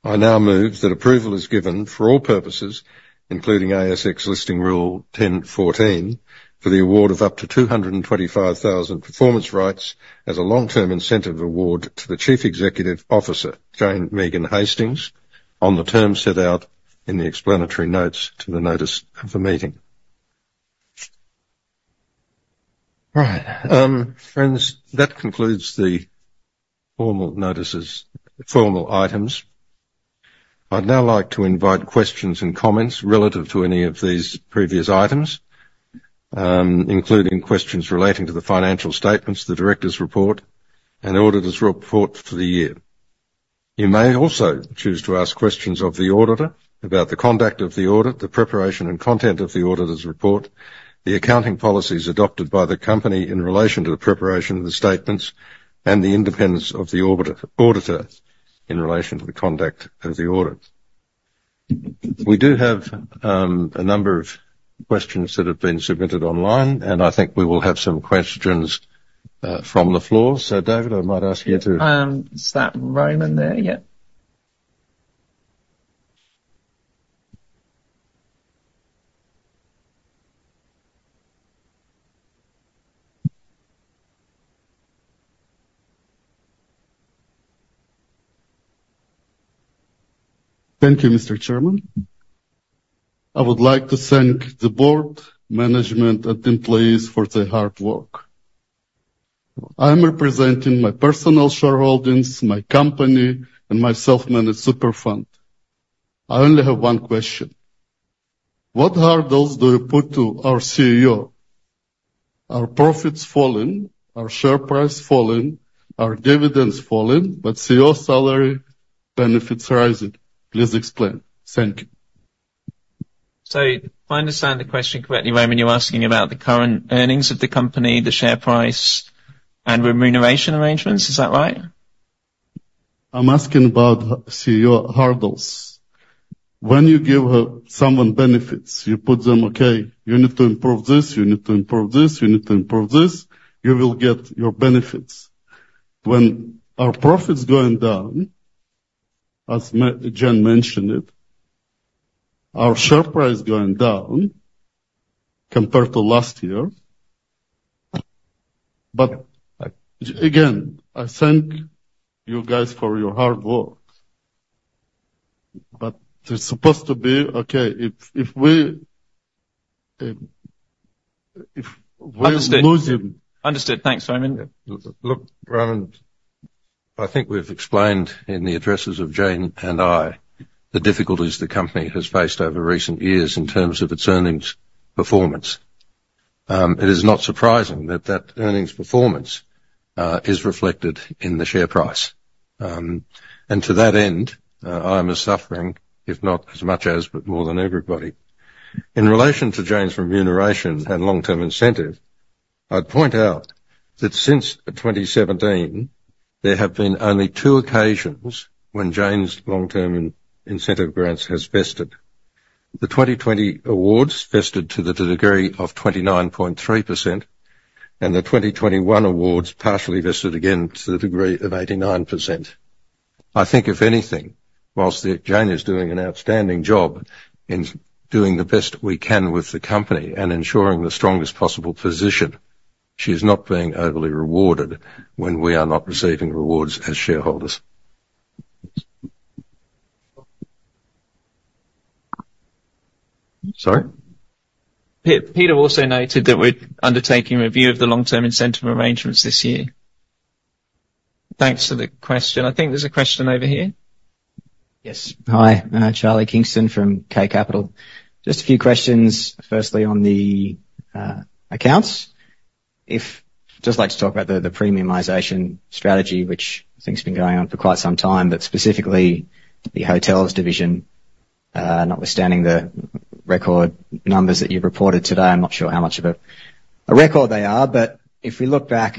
I now move that approval is given for all purposes, including ASX Listing Rule 10.14, for the award of up to 225,000 performance rights as a long-term incentive award to the Chief Executive Officer, Jane Megan Hastings, on the terms set out in the explanatory notes to the notice of the meeting. Right. Friends, that concludes the formal notices, formal items. I'd now like to invite questions and comments relative to any of these previous items, including questions relating to the financial statements, the director's report, and auditor's report for the year. You may also choose to ask questions of the auditor about the conduct of the audit, the preparation and content of the auditor's report, the accounting policies adopted by the company in relation to the preparation of the statements, and the independence of the auditor in relation to the conduct of the audit. We do have a number of questions that have been submitted online, and I think we will have some questions from the floor. So David, I might ask you to- Is that Roman there? Yeah. Thank you, Mr. Chairman. I would like to thank the board, management and employees for their hard work. I'm representing my personal shareholdings, my company, and my self-managed super fund. I only have one question: What hurdles do you put to our CEO? Our profit's fallen, our share price fallen, our dividend's fallen, but CEO salary benefits rising. Please explain. Thank you. So if I understand the question correctly, Roman, you're asking about the current earnings of the company, the share price, and remuneration arrangements. Is that right? I'm asking about CEO hurdles. When you give someone benefits, you put them, "Okay, you need to improve this, you need to improve this, you need to improve this. You will get your benefits." When our profits going down, as Jane mentioned it, our share price going down compared to last year. But again, I thank you guys for your hard work, but there's supposed to be... Okay, if we're losing- Understood. Thanks, Roman. Look, Roman, I think we've explained in the addresses of Jane and I, the difficulties the company has faced over recent years in terms of its earnings performance. It is not surprising that that earnings performance is reflected in the share price. And to that end, I'm a suffering, if not as much as, but more than everybody. In relation to Jane's remuneration and long-term incentive, I'd point out that since 2017, there have been only two occasions when Jane's long-term incentive grants has vested. The 2020 awards vested to the degree of 29.3%, and the 2021 awards partially vested again to the degree of 89%. I think if anything, whilst Jane is doing an outstanding job in doing the best we can with the company and ensuring the strongest possible position, she's not being overly rewarded when we are not receiving rewards as shareholders. Sorry? Peter also noted that we're undertaking review of the long-term incentive arrangements this year. Thanks for the question. I think there's a question over here. Yes. Hi, Charlie Kingston from K Capital. Just a few questions, firstly, on the accounts. Just like to talk about the premiumization strategy, which things have been going on for quite some time, but specifically the hotels division. Notwithstanding the record numbers that you've reported today, I'm not sure how much of a record they are, but if we look back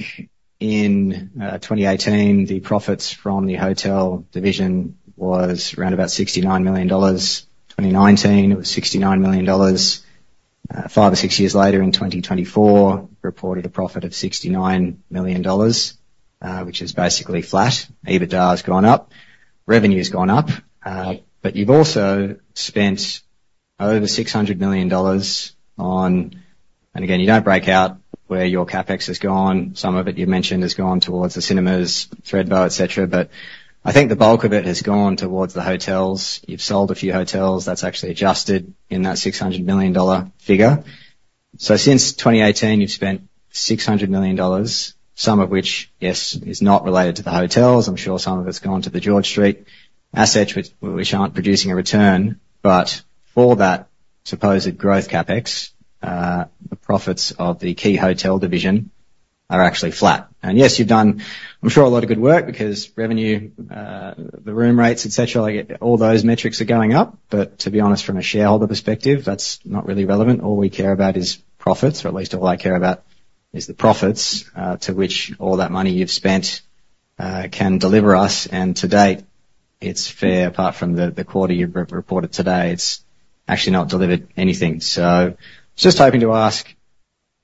in 2018, the profits from the hotel division was around about 69 million dollars. 2019, it was 69 million dollars. Five or six years later, in 2024, reported a profit of 69 million dollars, which is basically flat. EBITDA has gone up, revenue's gone up, but you've also spent over 600 million dollars on... And again, you don't break out where your CapEx has gone. Some of it you've mentioned has gone towards the cinemas, Thredbo, et cetera, but I think the bulk of it has gone towards the hotels. You've sold a few hotels, that's actually adjusted in that 600 million dollar figure, so since 2018, you've spent 600 million dollars, some of which, yes, is not related to the hotels. I'm sure some of it's gone to the George Street assets, which aren't producing a return, but for that supposed growth CapEx, the profits of the key hotel division are actually flat, and yes, you've done, I'm sure, a lot of good work because revenue, the room rates, et cetera, like, all those metrics are going up, but to be honest, from a shareholder perspective, that's not really relevant. All we care about is profits, or at least all I care about is the profits, to which all that money you've spent can deliver us. And to date, it's fair, apart from the quarter you've re-reported today, it's actually not delivered anything. So just hoping to ask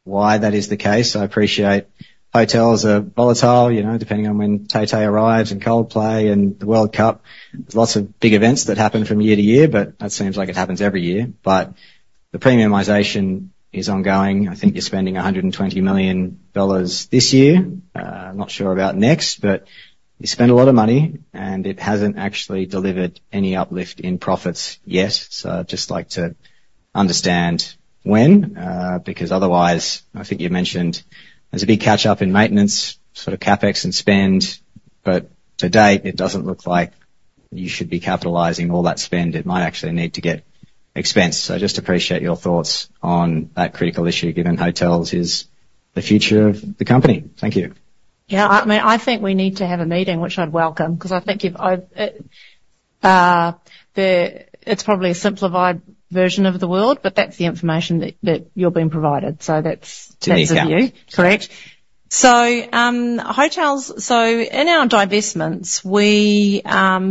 why that is the case. I appreciate hotels are volatile, you know, depending on when Tay Tay arrives, and Coldplay, and the World Cup. There's lots of big events that happen from year to year, but that seems like it happens every year. But the premiumization is ongoing. I think you're spending 120 million dollars this year. I'm not sure about next, but you spent a lot of money, and it hasn't actually delivered any uplift in profits yet. So I'd just like to understand when, because otherwise, I think you mentioned there's a big catch up in maintenance, sort of CapEx and spend, but to date, it doesn't look like you should be capitalizing all that spend. It might actually need to get expensed. So I just appreciate your thoughts on that critical issue, given hotels is the future of the company. Thank you. Yeah, I mean, I think we need to have a meeting, which I'd welcome, 'cause I think you've. It's probably a simplified version of the world, but that's the information that you're being provided. So that's- To me, yeah. -that's the view. Correct. So, hotels. So in our divestments, we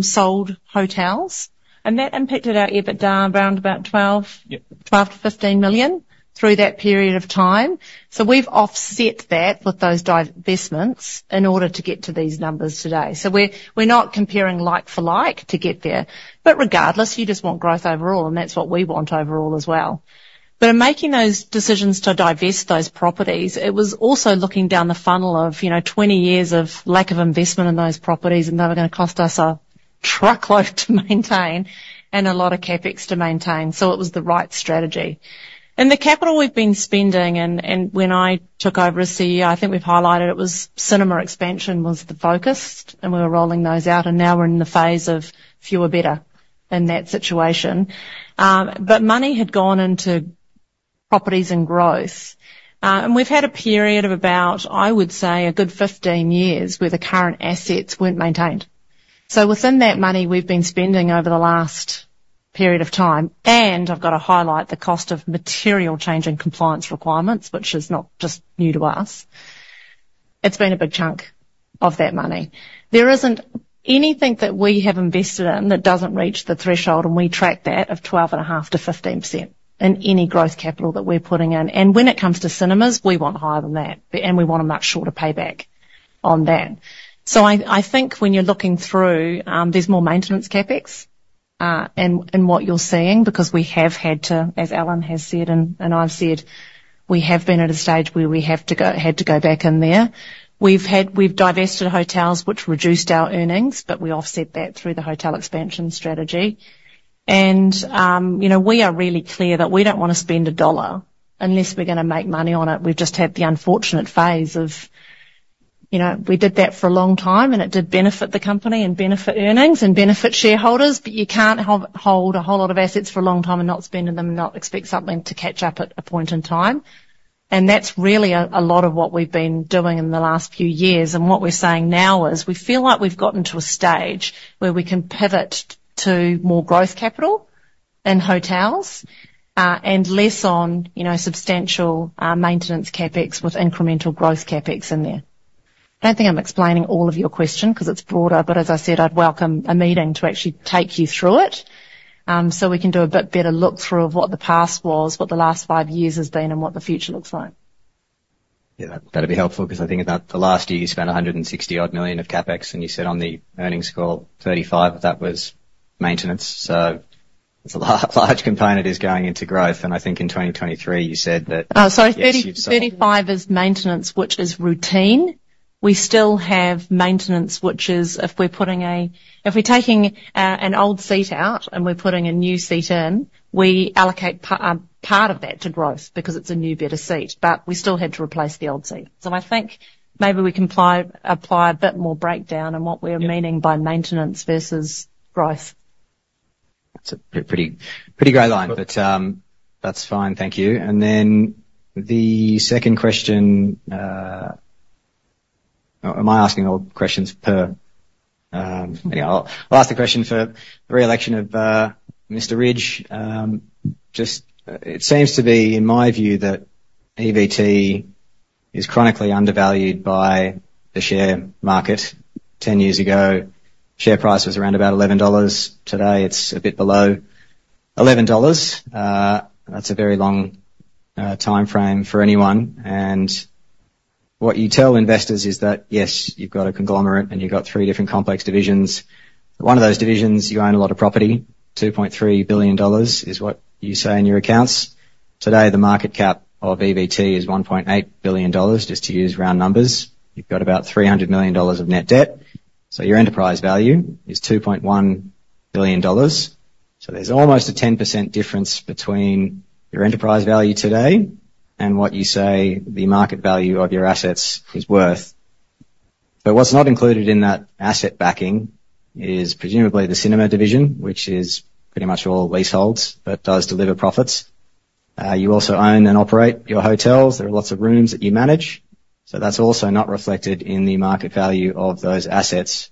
sold hotels, and that impacted our EBIT down around about twelve- Yeah. Twelve to fifteen million through that period of time. So we've offset that with those divestments in order to get to these numbers today. So we're not comparing like for like to get there, but regardless, you just want growth overall, and that's what we want overall as well. But in making those decisions to divest those properties, it was also looking down the funnel of, you know, 20 years of lack of investment in those properties, and they were gonna cost us a truckload to maintain and a lot of CapEx to maintain. So it was the right strategy. And the capital we've been spending, and when I took over as CEO, I think we've highlighted it, was cinema expansion was the focus, and we were rolling those out, and now we're in the phase of fewer better in that situation. Money had gone into properties and growth. We've had a period of about, I would say, a good fifteen years, where the current assets weren't maintained. So within that money we've been spending over the last period of time, and I've got to highlight the cost of material changing compliance requirements, which is not just new to us, it's been a big chunk of that money. There isn't anything that we have invested in that doesn't reach the threshold, and we track that, of 12.5%-15% in any growth capital that we're putting in. And when it comes to cinemas, we want higher than that, but and we want a much shorter payback on that. So I think when you're looking through, there's more maintenance CapEx in what you're seeing, because we have had to, as Alan has said, I've said, we have been at a stage where we had to go back in there. We've divested hotels, which reduced our earnings, but we offset that through the hotel expansion strategy. We are really clear that we don't want to spend a dollar unless we're gonna make money on it. We've just had the unfortunate phase of, you know, we did that for a long time, and it did benefit the company and benefit earnings and benefit shareholders, but you can't hold a whole lot of assets for a long time and not spend them, and not expect something to catch up at a point in time. That's really a lot of what we've been doing in the last few years. What we're saying now is, we feel like we've gotten to a stage where we can pivot to more growth capital in hotels, and less on, you know, substantial maintenance CapEx with incremental growth CapEx in there. I don't think I'm explaining all of your question, 'cause it's broader, but as I said, I'd welcome a meeting to actually take you through it, so we can do a bit better look-through of what the past was, what the last five years has been, and what the future looks like. Yeah, that'd be helpful, 'cause I think in the last year, you spent 160-odd million of CapEx, and you said on the earnings call, 35 of that was maintenance. So it's a large component is going into growth. And I think in 2023, you said that- Oh, sorry. Yes. 30, 35 is maintenance, which is routine. We still have maintenance, which is if we're taking an old seat out and we're putting a new seat in, we allocate part of that to growth because it's a new, better seat, but we still had to replace the old seat. So I think maybe we can apply a bit more breakdown on what we're- Yeah... meaning by maintenance versus growth. That's a pretty gray line, but that's fine. Thank you. Then the second question. Am I asking all the questions per. Anyway, I'll ask the question for the re-election of Mr. Rydge. Just it seems to be, in my view, that EVT is chronically undervalued by the share market. Ten years ago, share price was around about 11 dollars. Today, it's a bit below 11 dollars. That's a very long timeframe for anyone, and what you tell investors is that, yes, you've got a conglomerate, and you've got three different complex divisions. One of those divisions, you own a lot of property. 2.3 billion dollars is what you say in your accounts. Today, the market cap of EVT is 1.8 billion dollars, just to use round numbers. You've got about 300 million dollars of net debt, so your enterprise value is 2.1 billion dollars. So there's almost a 10% difference between your enterprise value today and what you say the market value of your assets is worth. But what's not included in that asset backing is presumably the cinema division, which is pretty much all leaseholds, but does deliver profits. You also own and operate your hotels. There are lots of rooms that you manage, so that's also not reflected in the market value of those assets.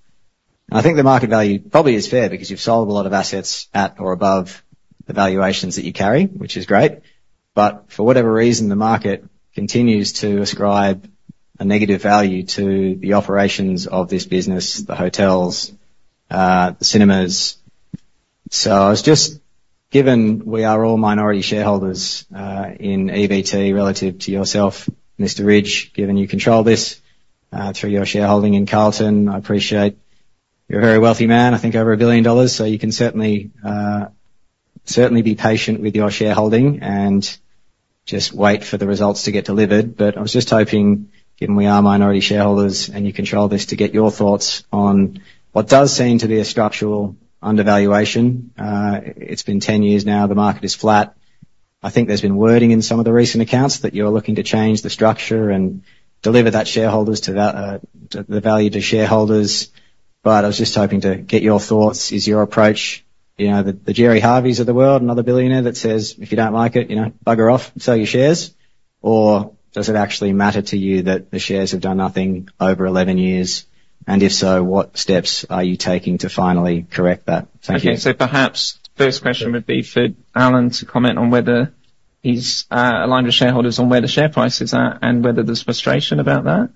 And I think the market value probably is fair because you've sold a lot of assets at or above the valuations that you carry, which is great. But for whatever reason, the market continues to ascribe a negative value to the operations of this business, the hotels, the cinemas. I was just given we are all minority shareholders in EVT, relative to yourself, Mr. Rydge. Given you control this through your shareholding in Carlton, I appreciate you're a very wealthy man. I think over 1 billion dollars, so you can certainly be patient with your shareholding and just wait for the results to get delivered. I was just hoping, given we are minority shareholders and you control this, to get your thoughts on what does seem to be a structural undervaluation. It's been 10 years now, the market is flat. I think there's been wording in some of the recent accounts that you're looking to change the structure and deliver value to shareholders. I was just hoping to get your thoughts. Is your approach, you know, the Gerry Harveys of the world, another billionaire that says, "If you don't like it, you know, bugger off and sell your shares?" Or does it actually matter to you that the shares have done nothing over eleven years? And if so, what steps are you taking to finally correct that? Thank you. Okay, so perhaps the first question would be for Alan to comment on whether he's aligned with shareholders on where the share prices are and whether there's frustration about that.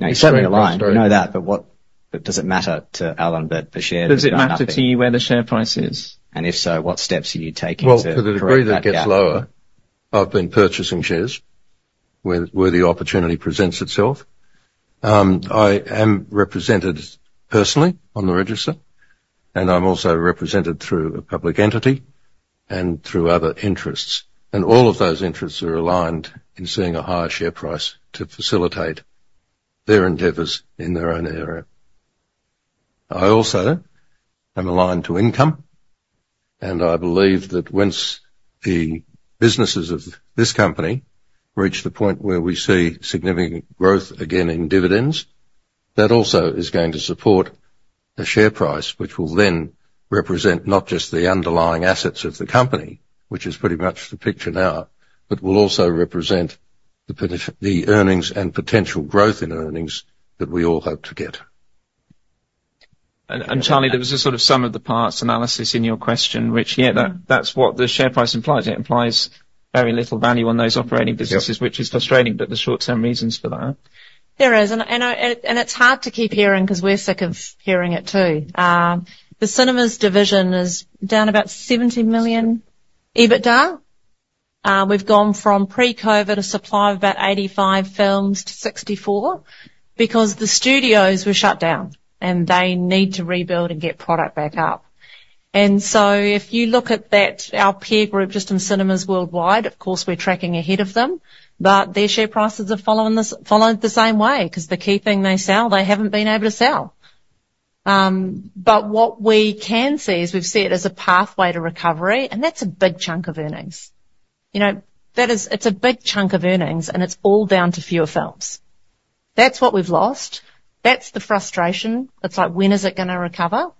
He's certainly aligned, we know that, but what... But does it matter to Alan that the shares- Does it matter to you where the share price is? If so, what steps are you taking to correct that gap? To the degree they get lower, I've been purchasing shares where the opportunity presents itself. I am represented personally on the register, and I'm also represented through a public entity and through other interests, and all of those interests are aligned in seeing a higher share price to facilitate their endeavors in their own area. I also am aligned to income, and I believe that once the businesses of this company reach the point where we see significant growth again in dividends, that also is going to support a share price, which will then represent not just the underlying assets of the company, which is pretty much the picture now, but will also represent the earnings and potential growth in earnings that we all hope to get. And Charlie, there was a sort of sum of the parts analysis in your question, which, yeah, that, that's what the share price implies. It implies very little value on those operating businesses. Yep... which is frustrating, but there's short-term reasons for that. There is, and it's hard to keep hearing 'cause we're sick of hearing it, too. The cinemas division is down about 70 million EBITDA. We've gone from pre-COVID, a supply of about 85 films to 64 because the studios were shut down, and they need to rebuild and get product back up. So if you look at that, our peer group, just in cinemas worldwide, of course, we're tracking ahead of them, but their share prices are following this, following the same way, 'cause the key thing they sell, they haven't been able to sell. But what we can see is we've seen it as a pathway to recovery, and that's a big chunk of earnings. You know, that is. It's a big chunk of earnings, and it's all down to fewer films. That's what we've lost. That's the frustration. It's like, when is it gonna recover?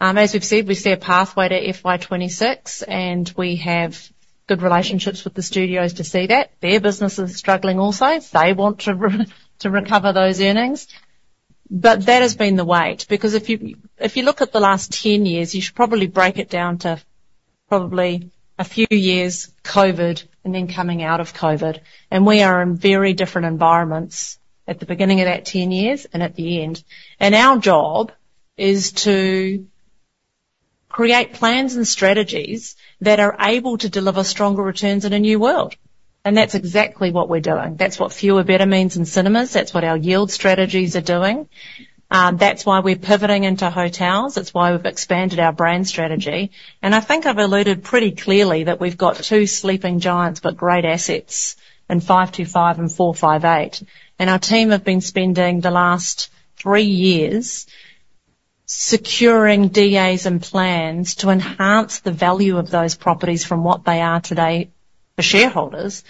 As we've said, we see a pathway to FY 2026, and we have good relationships with the studios to see that. Their business is struggling also. They want to recover those earnings. But that has been the wait, because if you look at the last ten years, you should probably break it down to a few years COVID and then coming out of COVID, and we are in very different environments at the beginning of that ten years and at the end. Our job is to create plans and strategies that are able to deliver stronger returns in a new world, and that's exactly what we're doing. That's what fewer better means in cinemas. That's what our yield strategies are doing. That's why we're pivoting into hotels. That's why we've expanded our brand strategy. I think I've alluded pretty clearly that we've got two sleeping giants, but great assets in 525 and 458. Our team have been spending the last three years securing DAs and plans to enhance the value of those properties from what they are today for shareholders.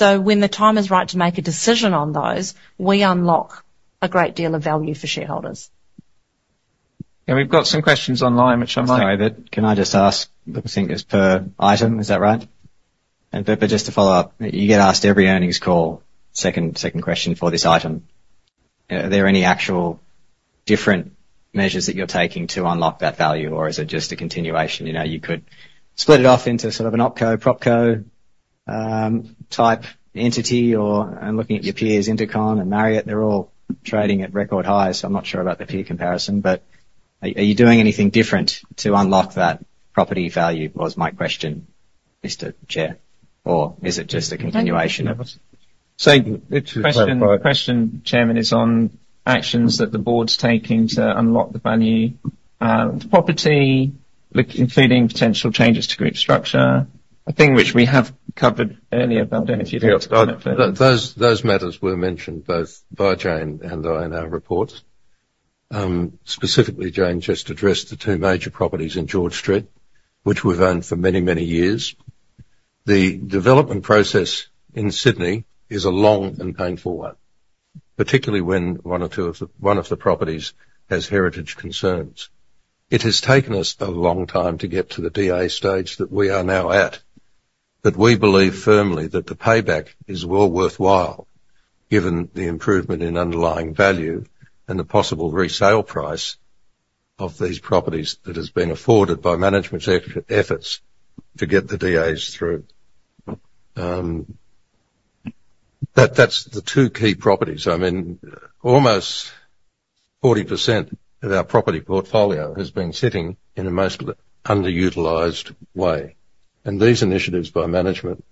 When the time is right to make a decision on those, we unlock a great deal of value for shareholders. We've got some questions online, which I might- Sorry, but can I just ask, I think it's per item, is that right? But just to follow up, you get asked every earnings call, second question for this item, are there any actual different measures that you're taking to unlock that value, or is it just a continuation? You know, you could split it off into sort of an OpCo, PropCo, type entity or... I'm looking at your peers, InterContinental and Marriott, they're all trading at record highs, so I'm not sure about the peer comparison. But are you doing anything different to unlock that property value, was my question? Mr. Chair, or is it just a continuation of us? So the question, Chairman, is on actions that the board's taking to unlock the value, the property, look, including potential changes to group structure, a thing which we have covered earlier, but if you'd like to Those matters were mentioned both by Jane and I in our reports. Specifically, Jane just addressed the two major properties in George Street, which we've owned for many, many years. The development process in Sydney is a long and painful one, particularly when one of the properties has heritage concerns. It has taken us a long time to get to the DA stage that we are now at, but we believe firmly that the payback is well worthwhile, given the improvement in underlying value and the possible resale price of these properties that has been afforded by management's efforts to get the DAs through. That's the two key properties. I mean, almost 40% of our property portfolio has been sitting in a most underutilized way, and these initiatives by management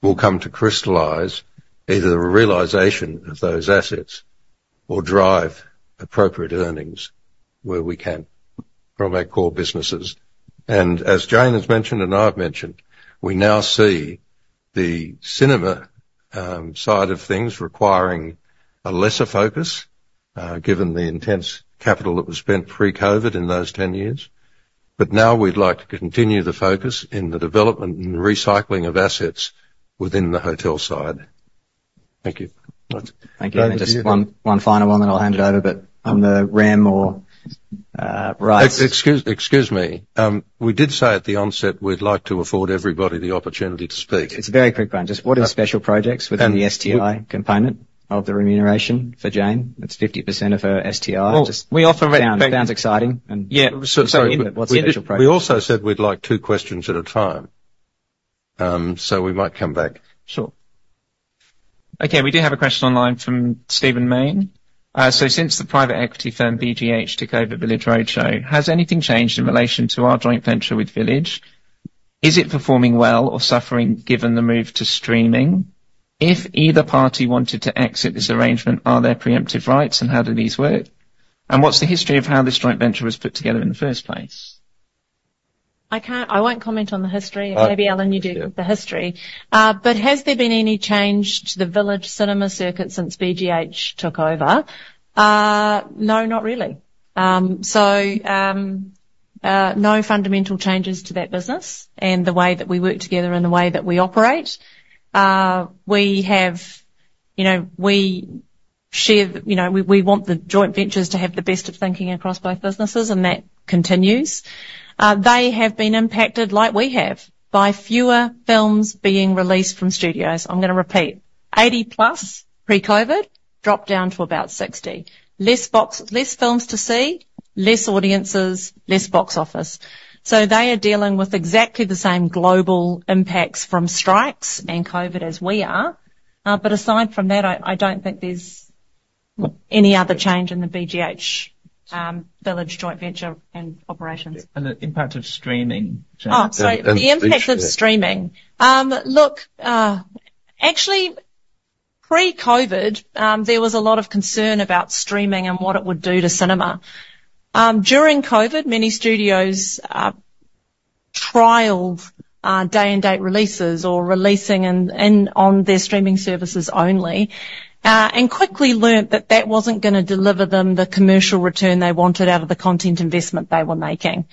will come to crystallize either the realization of those assets or drive appropriate earnings where we can from our core businesses. And as Jane has mentioned and I've mentioned, we now see the cinema side of things requiring a lesser focus, given the intense capital that was spent pre-COVID in those 10 years. But now we'd like to continue the focus in the development and recycling of assets within the hotel side. Thank you. Thanks. Thank you. Just one final one, then I'll hand it over. But on the Rem or rights- Excuse me. We did say at the onset, we'd like to afford everybody the opportunity to speak. It's a very quick one. Just what are special projects within the STI component of the remuneration for Jane? It's 50% of her STI. We offer it- Sounds exciting, and- Yeah. So, so- What's special projects? We also said we'd like two questions at a time, so we might come back. Sure. Okay, we do have a question online from Stephen Mayne. "So since the private equity firm, BGH, took over Village Roadshow, has anything changed in relation to our joint venture with Village? Is it performing well or suffering, given the move to streaming? If either party wanted to exit this arrangement, are there preemptive rights, and how do these work? And what's the history of how this joint venture was put together in the first place? I can't... I won't comment on the history. Maybe, Alan, you do the history. But has there been any change to the Village Cinema circuit since BGH took over? No, not really. So, no fundamental changes to that business and the way that we work together and the way that we operate. We have, you know, we share, you know, we, we want the joint ventures to have the best of thinking across both businesses, and that continues. They have been impacted, like we have, by fewer films being released from studios. I'm gonna repeat, eighty plus pre-COVID, dropped down to about sixty. Less films to see, less audiences, less box office. So they are dealing with exactly the same global impacts from strikes and COVID as we are. But aside from that, I don't think there's any other change in the BGH, Village joint venture and operations. The impact of streaming, Jane? Oh, sorry. And, and- The impact of streaming. Look, actually, pre-COVID, there was a lot of concern about streaming and what it would do to cinema. During COVID, many studios trialed day-and-date releases or releasing in on their streaming services only, and quickly learnt that that wasn't gonna deliver them the commercial return they wanted out of the content investment they were making.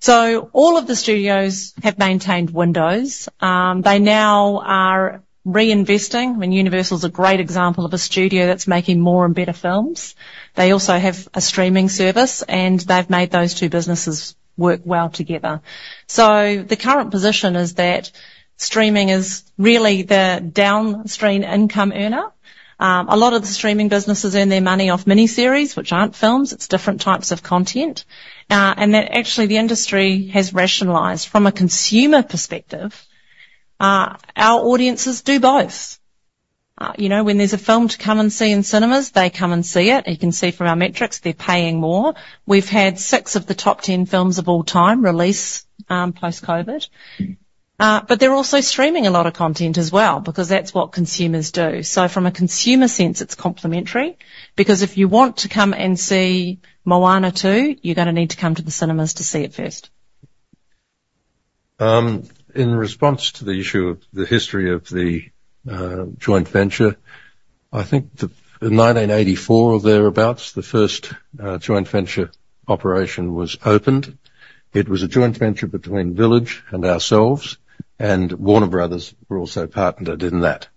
So all of the studios have maintained windows. They now are reinvesting. I mean, Universal is a great example of a studio that's making more and better films. They also have a streaming service, and they've made those two businesses work well together. So the current position is that streaming is really the downstream income earner. A lot of the streaming businesses earn their money off miniseries, which aren't films. It's different types of content, and that actually, the industry has rationalized. From a consumer perspective, our audiences do both. You know, when there's a film to come and see in cinemas, they come and see it. You can see from our metrics, they're paying more. We've had six of the top ten films of all time release, post-COVID. But they're also streaming a lot of content as well, because that's what consumers do. So from a consumer sense, it's complementary, because if you want to come and see Moana 2, you're gonna need to come to the cinemas to see it first. In response to the issue of the history of the joint venture, I think the, in nineteen eighty-four or thereabouts, the first joint venture operation was opened. It was a joint venture between Village and ourselves, and Warner Brothers were also partnered in that.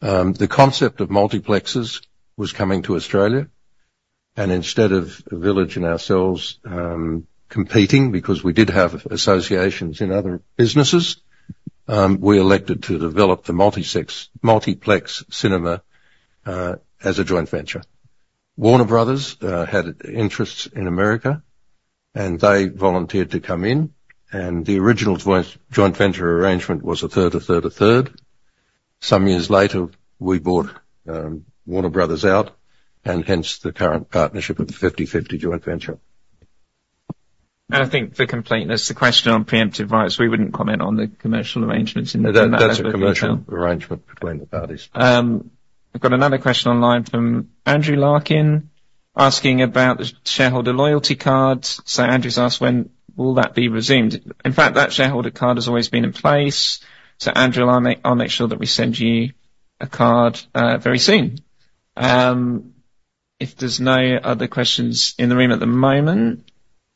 The concept of multiplexes was coming to Australia, and instead of Village and ourselves competing, because we did have associations in other businesses, we elected to develop the multiplex cinema as a joint venture. Warner Brothers had interests in America, and they volunteered to come in, and the original joint venture arrangement was a third, a third, a third. Some years later, we bought Warner Brothers out, and hence the current partnership of the fifty-fifty joint venture. And I think for completeness, the question on preemptive rights, we wouldn't comment on the commercial arrangements in- That, that's a commercial arrangement between the parties. I've got another question online from Andrew Larkin, asking about the shareholder loyalty cards. So Andrew's asked, "When will that be resumed?" In fact, that shareholder card has always been in place, so Andrew, I'll make sure that we send you a card very soon. If there's no other questions in the room at the moment,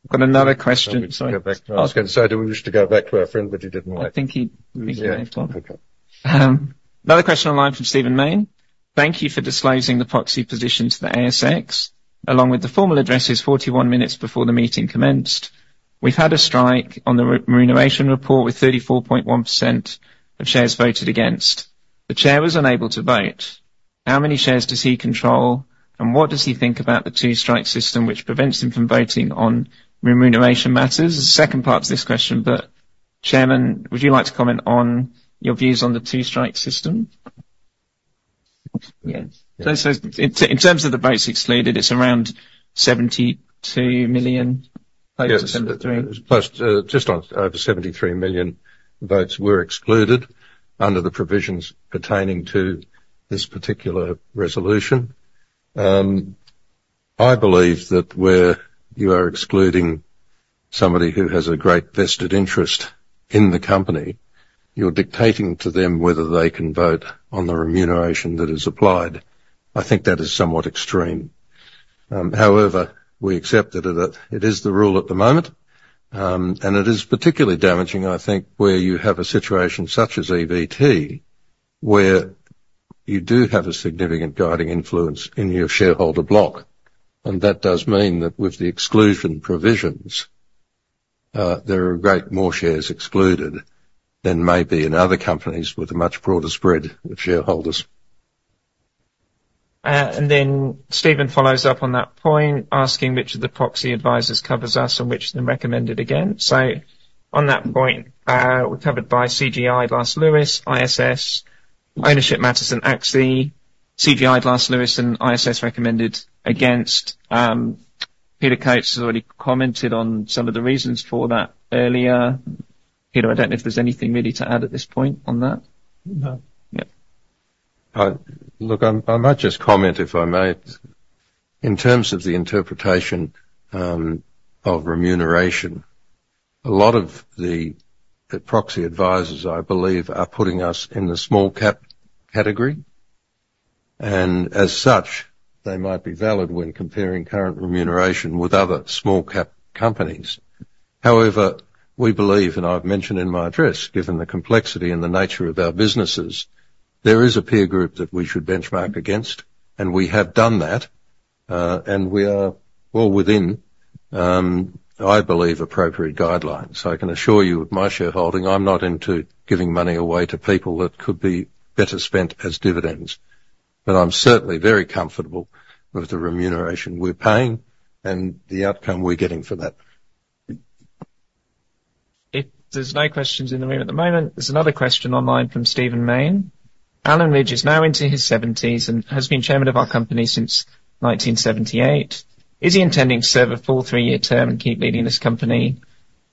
I've got another question. Sorry- Go back to ask, and so do we wish to go back to our friend that you didn't like? I think he's moved on. Okay. Another question online from Stephen Mayne: "Thank you for disclosing the proxy position to the ASX, along with the formal addresses 41 minutes before the meeting commenced. We've had a strike on the remuneration report, with 34.1% of shares voted against. The chair was unable to vote. How many shares does he control, and what does he think about the two-strike system which prevents him from voting on remuneration matters?" There's a second part to this question, but Chairman, would you like to comment on your views on the two-strike system? Yes. So, in terms of the votes excluded, it's around seventy-two million votes, [inaudible] Yes. Plus, just on over 73 million votes were excluded under the provisions pertaining to this particular resolution. I believe that where you are excluding somebody who has a great vested interest in the company, you're dictating to them whether they can vote on the remuneration that is applied. I think that is somewhat extreme. However, we accept it, that is the rule at the moment, and it is particularly damaging, I think, where you have a situation such as EVT, where you do have a significant guiding influence in your shareholder block, and that does mean that with the exclusion provisions, there are a great more shares excluded than maybe in other companies with a much broader spread of shareholders. And then Stephen follows up on that point, asking: "Which of the proxy advisors covers us and which of them recommended against?" So on that point, we're covered by CGI Glass Lewis, ISS, Ownership Matters, and ACSI. CGI Glass Lewis and ISS recommended against. Peter Coates has already commented on some of the reasons for that earlier. Peter, I don't know if there's anything really to add at this point on that? No. Yeah. Look, I might just comment, if I may. In terms of the interpretation of remuneration, a lot of the proxy advisors, I believe, are putting us in the small cap category, and as such, they might be valid when comparing current remuneration with other small cap companies. However, we believe, and I've mentioned in my address, given the complexity and the nature of our businesses, there is a peer group that we should benchmark against, and we have done that, and we are well within, I believe, appropriate guidelines. So I can assure you, with my shareholding, I'm not into giving money away to people that could be better spent as dividends, but I'm certainly very comfortable with the remuneration we're paying and the outcome we're getting for that. If there's no questions in the room at the moment, there's another question online from Stephen Mayne: "Alan Rydge is now into his seventies and has been chairman of our company since nineteen seventy-eight. Is he intending to serve a full three-year term and keep leading this company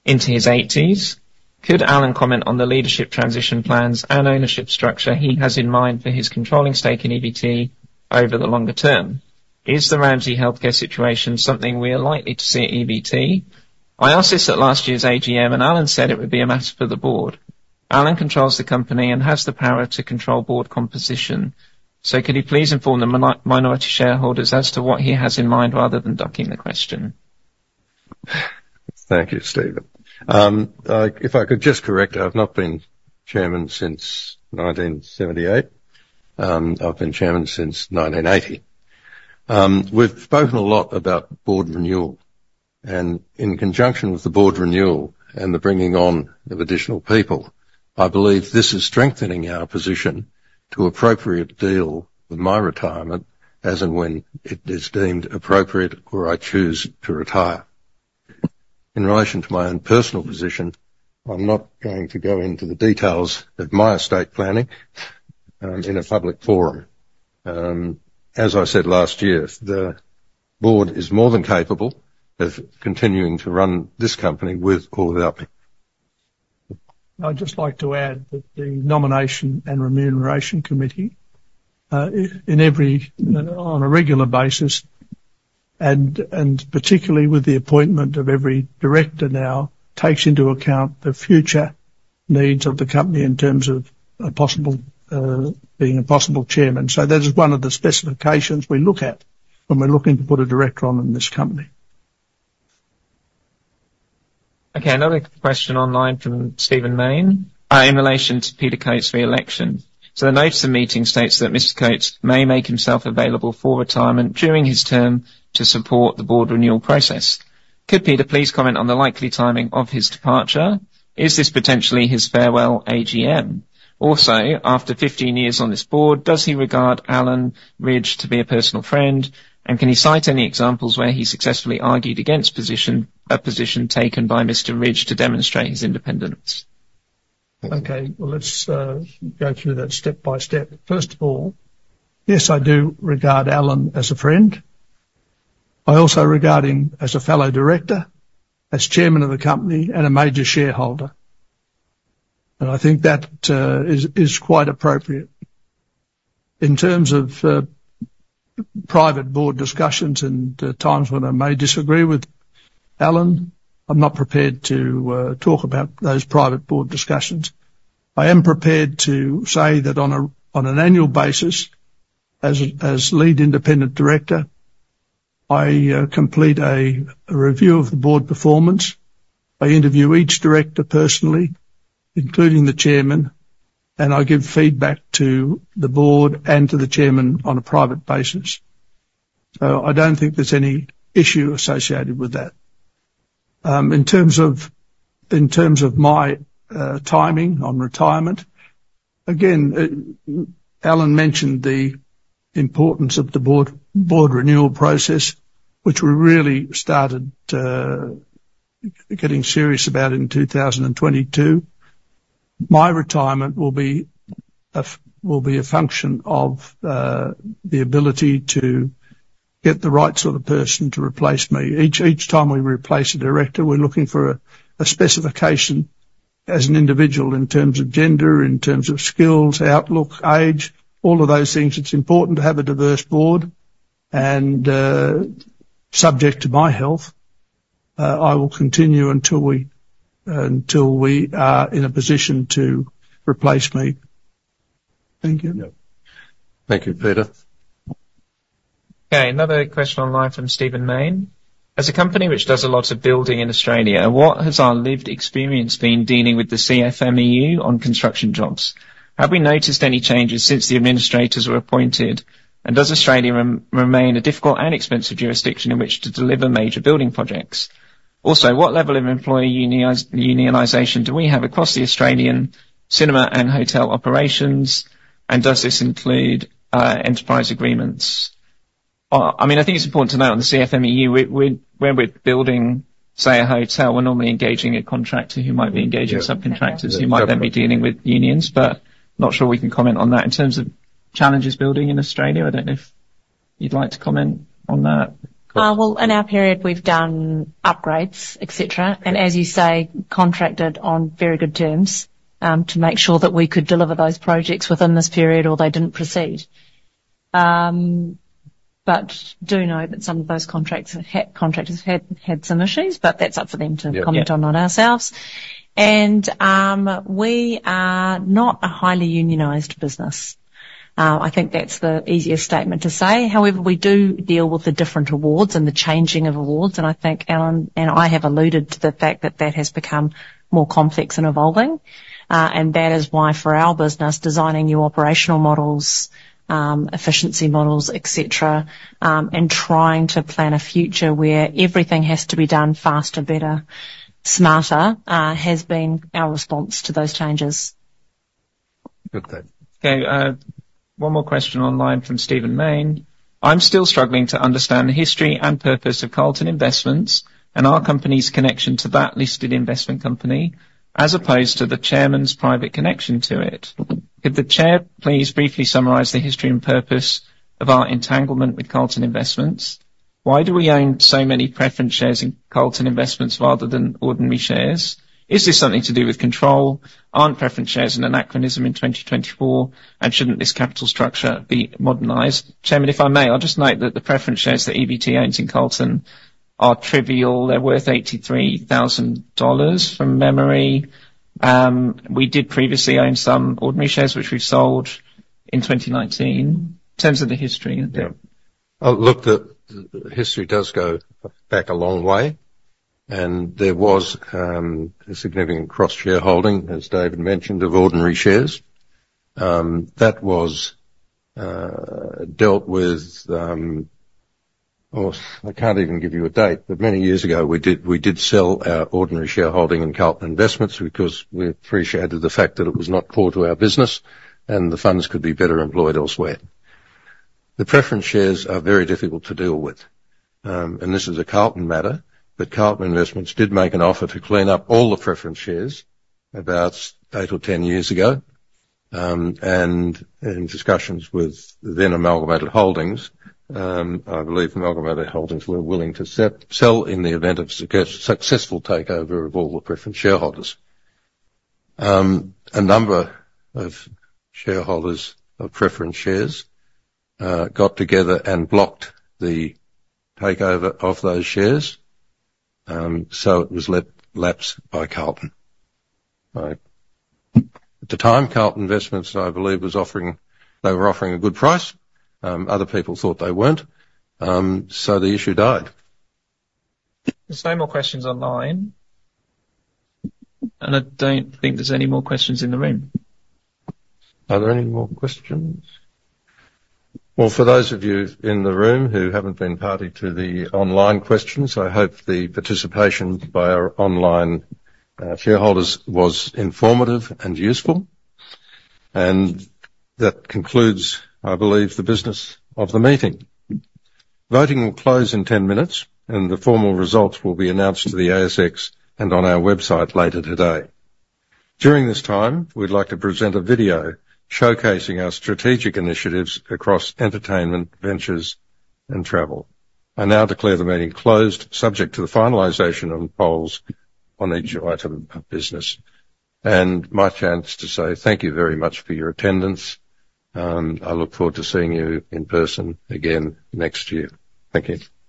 into his eighties? Could Alan comment on the leadership transition plans and ownership structure he has in mind for his controlling stake in EVT over the longer term? Is the Ramsay Health Care situation something we are likely to see at EVT? I asked this at last year's AGM, and Alan said it would be a matter for the board. Alan controls the company and has the power to control board composition. So could he please inform the minority shareholders as to what he has in mind, rather than ducking the question? Thank you, Stephen. If I could just correct, I've not been Chairman since 1978. I've been Chairman since 1980. We've spoken a lot about board renewal, and in conjunction with the board renewal and the bringing on of additional people, I believe this is strengthening our position to appropriately deal with my retirement, as and when it is deemed appropriate or I choose to retire. In relation to my own personal position, I'm not going to go into the details of my estate planning, in a public forum. As I said last year, the board is more than capable of continuing to run this company with all the help. I'd just like to add that the Nomination and Remuneration Committee, in every, on a regular basis, and particularly with the appointment of every director now, takes into account the future needs of the company in terms of a possible being a possible chairman. So that is one of the specifications we look at when we're looking to put a director on in this company. Okay, another question online from Stephen Mayne, in relation to Peter Coates' re-election: "So the notice of meeting states that Mr. Coates may make himself available for retirement during his term to support the board renewal process. Could Peter please comment on the likely timing of his departure? Is this potentially his farewell AGM? Also, after 15 years on this board, does he regard Alan Rydge to be a personal friend, and can he cite any examples where he successfully argued against position, a position taken by Mr. Rydge to demonstrate his independence?... Okay, well, let's go through that step by step. First of all, yes, I do regard Alan as a friend. I also regard him as a fellow director, as Chairman of the company, and a major shareholder, and I think that is quite appropriate. In terms of private board discussions and times when I may disagree with Alan, I'm not prepared to talk about those private board discussions. I am prepared to say that on an annual basis, as Lead Independent Director, I complete a review of the board performance. I interview each director personally, including the Chairman, and I give feedback to the board and to the Chairman on a private basis. So I don't think there's any issue associated with that. In terms of my timing on retirement, again, it... Alan mentioned the importance of the board renewal process, which we really started getting serious about in two thousand and twenty-two. My retirement will be a function of the ability to get the right sort of person to replace me. Each time we replace a director, we're looking for a specification as an individual in terms of gender, in terms of skills, outlook, age, all of those things. It's important to have a diverse board and, subject to my health, I will continue until we are in a position to replace me. Thank you. Yeah. Thank you, Peter. Okay, another question online from Stephen Mayne. As a company which does a lot of building in Australia, what has our lived experience been dealing with the CFMEU on construction jobs? Have we noticed any changes since the administrators were appointed, and does Australia remain a difficult and expensive jurisdiction in which to deliver major building projects? Also, what level of employee unionization do we have across the Australian cinema and hotel operations, and does this include enterprise agreements? I mean, I think it's important to note on the CFMEU, we, when we're building, say, a hotel, we're normally engaging a contractor who might be engaging subcontractors who might then be dealing with unions, but not sure we can comment on that. In terms of challenges building in Australia, I don't know if you'd like to comment on that. Well, in our period, we've done upgrades, et cetera, and as you say, contracted on very good terms, to make sure that we could deliver those projects within this period or they didn't proceed. But do know that some of those contracts had, contractors had, some issues, but that's up for them to- Yeah... comment on, not ourselves. And we are not a highly unionized business. I think that's the easiest statement to say. However, we do deal with the different awards and the changing of awards, and I think Alan and I have alluded to the fact that that has become more complex and evolving. And that is why, for our business, designing new operational models, efficiency models, et cetera, and trying to plan a future where everything has to be done faster, better, smarter, has been our response to those changes. Good, then. Okay, one more question online from Stephen Mayne. I'm still struggling to understand the history and purpose of Carlton Investments and our company's connection to that listed investment company, as opposed to the chairman's private connection to it. Could the chair please briefly summarize the history and purpose of our entanglement with Carlton Investments? Why do we own so many preference shares in Carlton Investments rather than ordinary shares? Is this something to do with control? Aren't preference shares an anachronism in 2024? And shouldn't this capital structure be modernized? Chairman, if I may, I'll just note that the preference shares that EVT owns in Carlton are trivial. They're worth 83,000 dollars, from memory. We did previously own some ordinary shares, which we sold in 2019. In terms of the history, yeah. Yeah. Look, the history does go back a long way, and there was a significant cross-shareholding, as David mentioned, of ordinary shares. That was dealt with. Oh, I can't even give you a date, but many years ago, we did sell our ordinary shareholding in Carlton Investments because we appreciated the fact that it was not core to our business and the funds could be better employed elsewhere. The preference shares are very difficult to deal with, and this is a Carlton matter. But Carlton Investments did make an offer to clean up all the preference shares about eight or 10 years ago. And in discussions with then Amalgamated Holdings, I believe Amalgamated Holdings were willing to sell in the event of successful takeover of all the preference shareholders. A number of shareholders of preference shares got together and blocked the takeover of those shares, so it was let lapse by Carlton. At the time, Carlton Investments, I believe, was offering... They were offering a good price, other people thought they weren't, so the issue died. There's no more questions online, and I don't think there's any more questions in the room. Are there any more questions? Well, for those of you in the room who haven't been party to the online questions, I hope the participation by our online shareholders was informative and useful. And that concludes, I believe, the business of the meeting. Voting will close in ten minutes, and the formal results will be announced to the ASX and on our website later today. During this time, we'd like to present a video showcasing our strategic initiatives across entertainment, ventures, and travel. I now declare the meeting closed, subject to the finalization of the polls on each item of business. And my chance to say thank you very much for your attendance, I look forward to seeing you in person again next year. Thank you.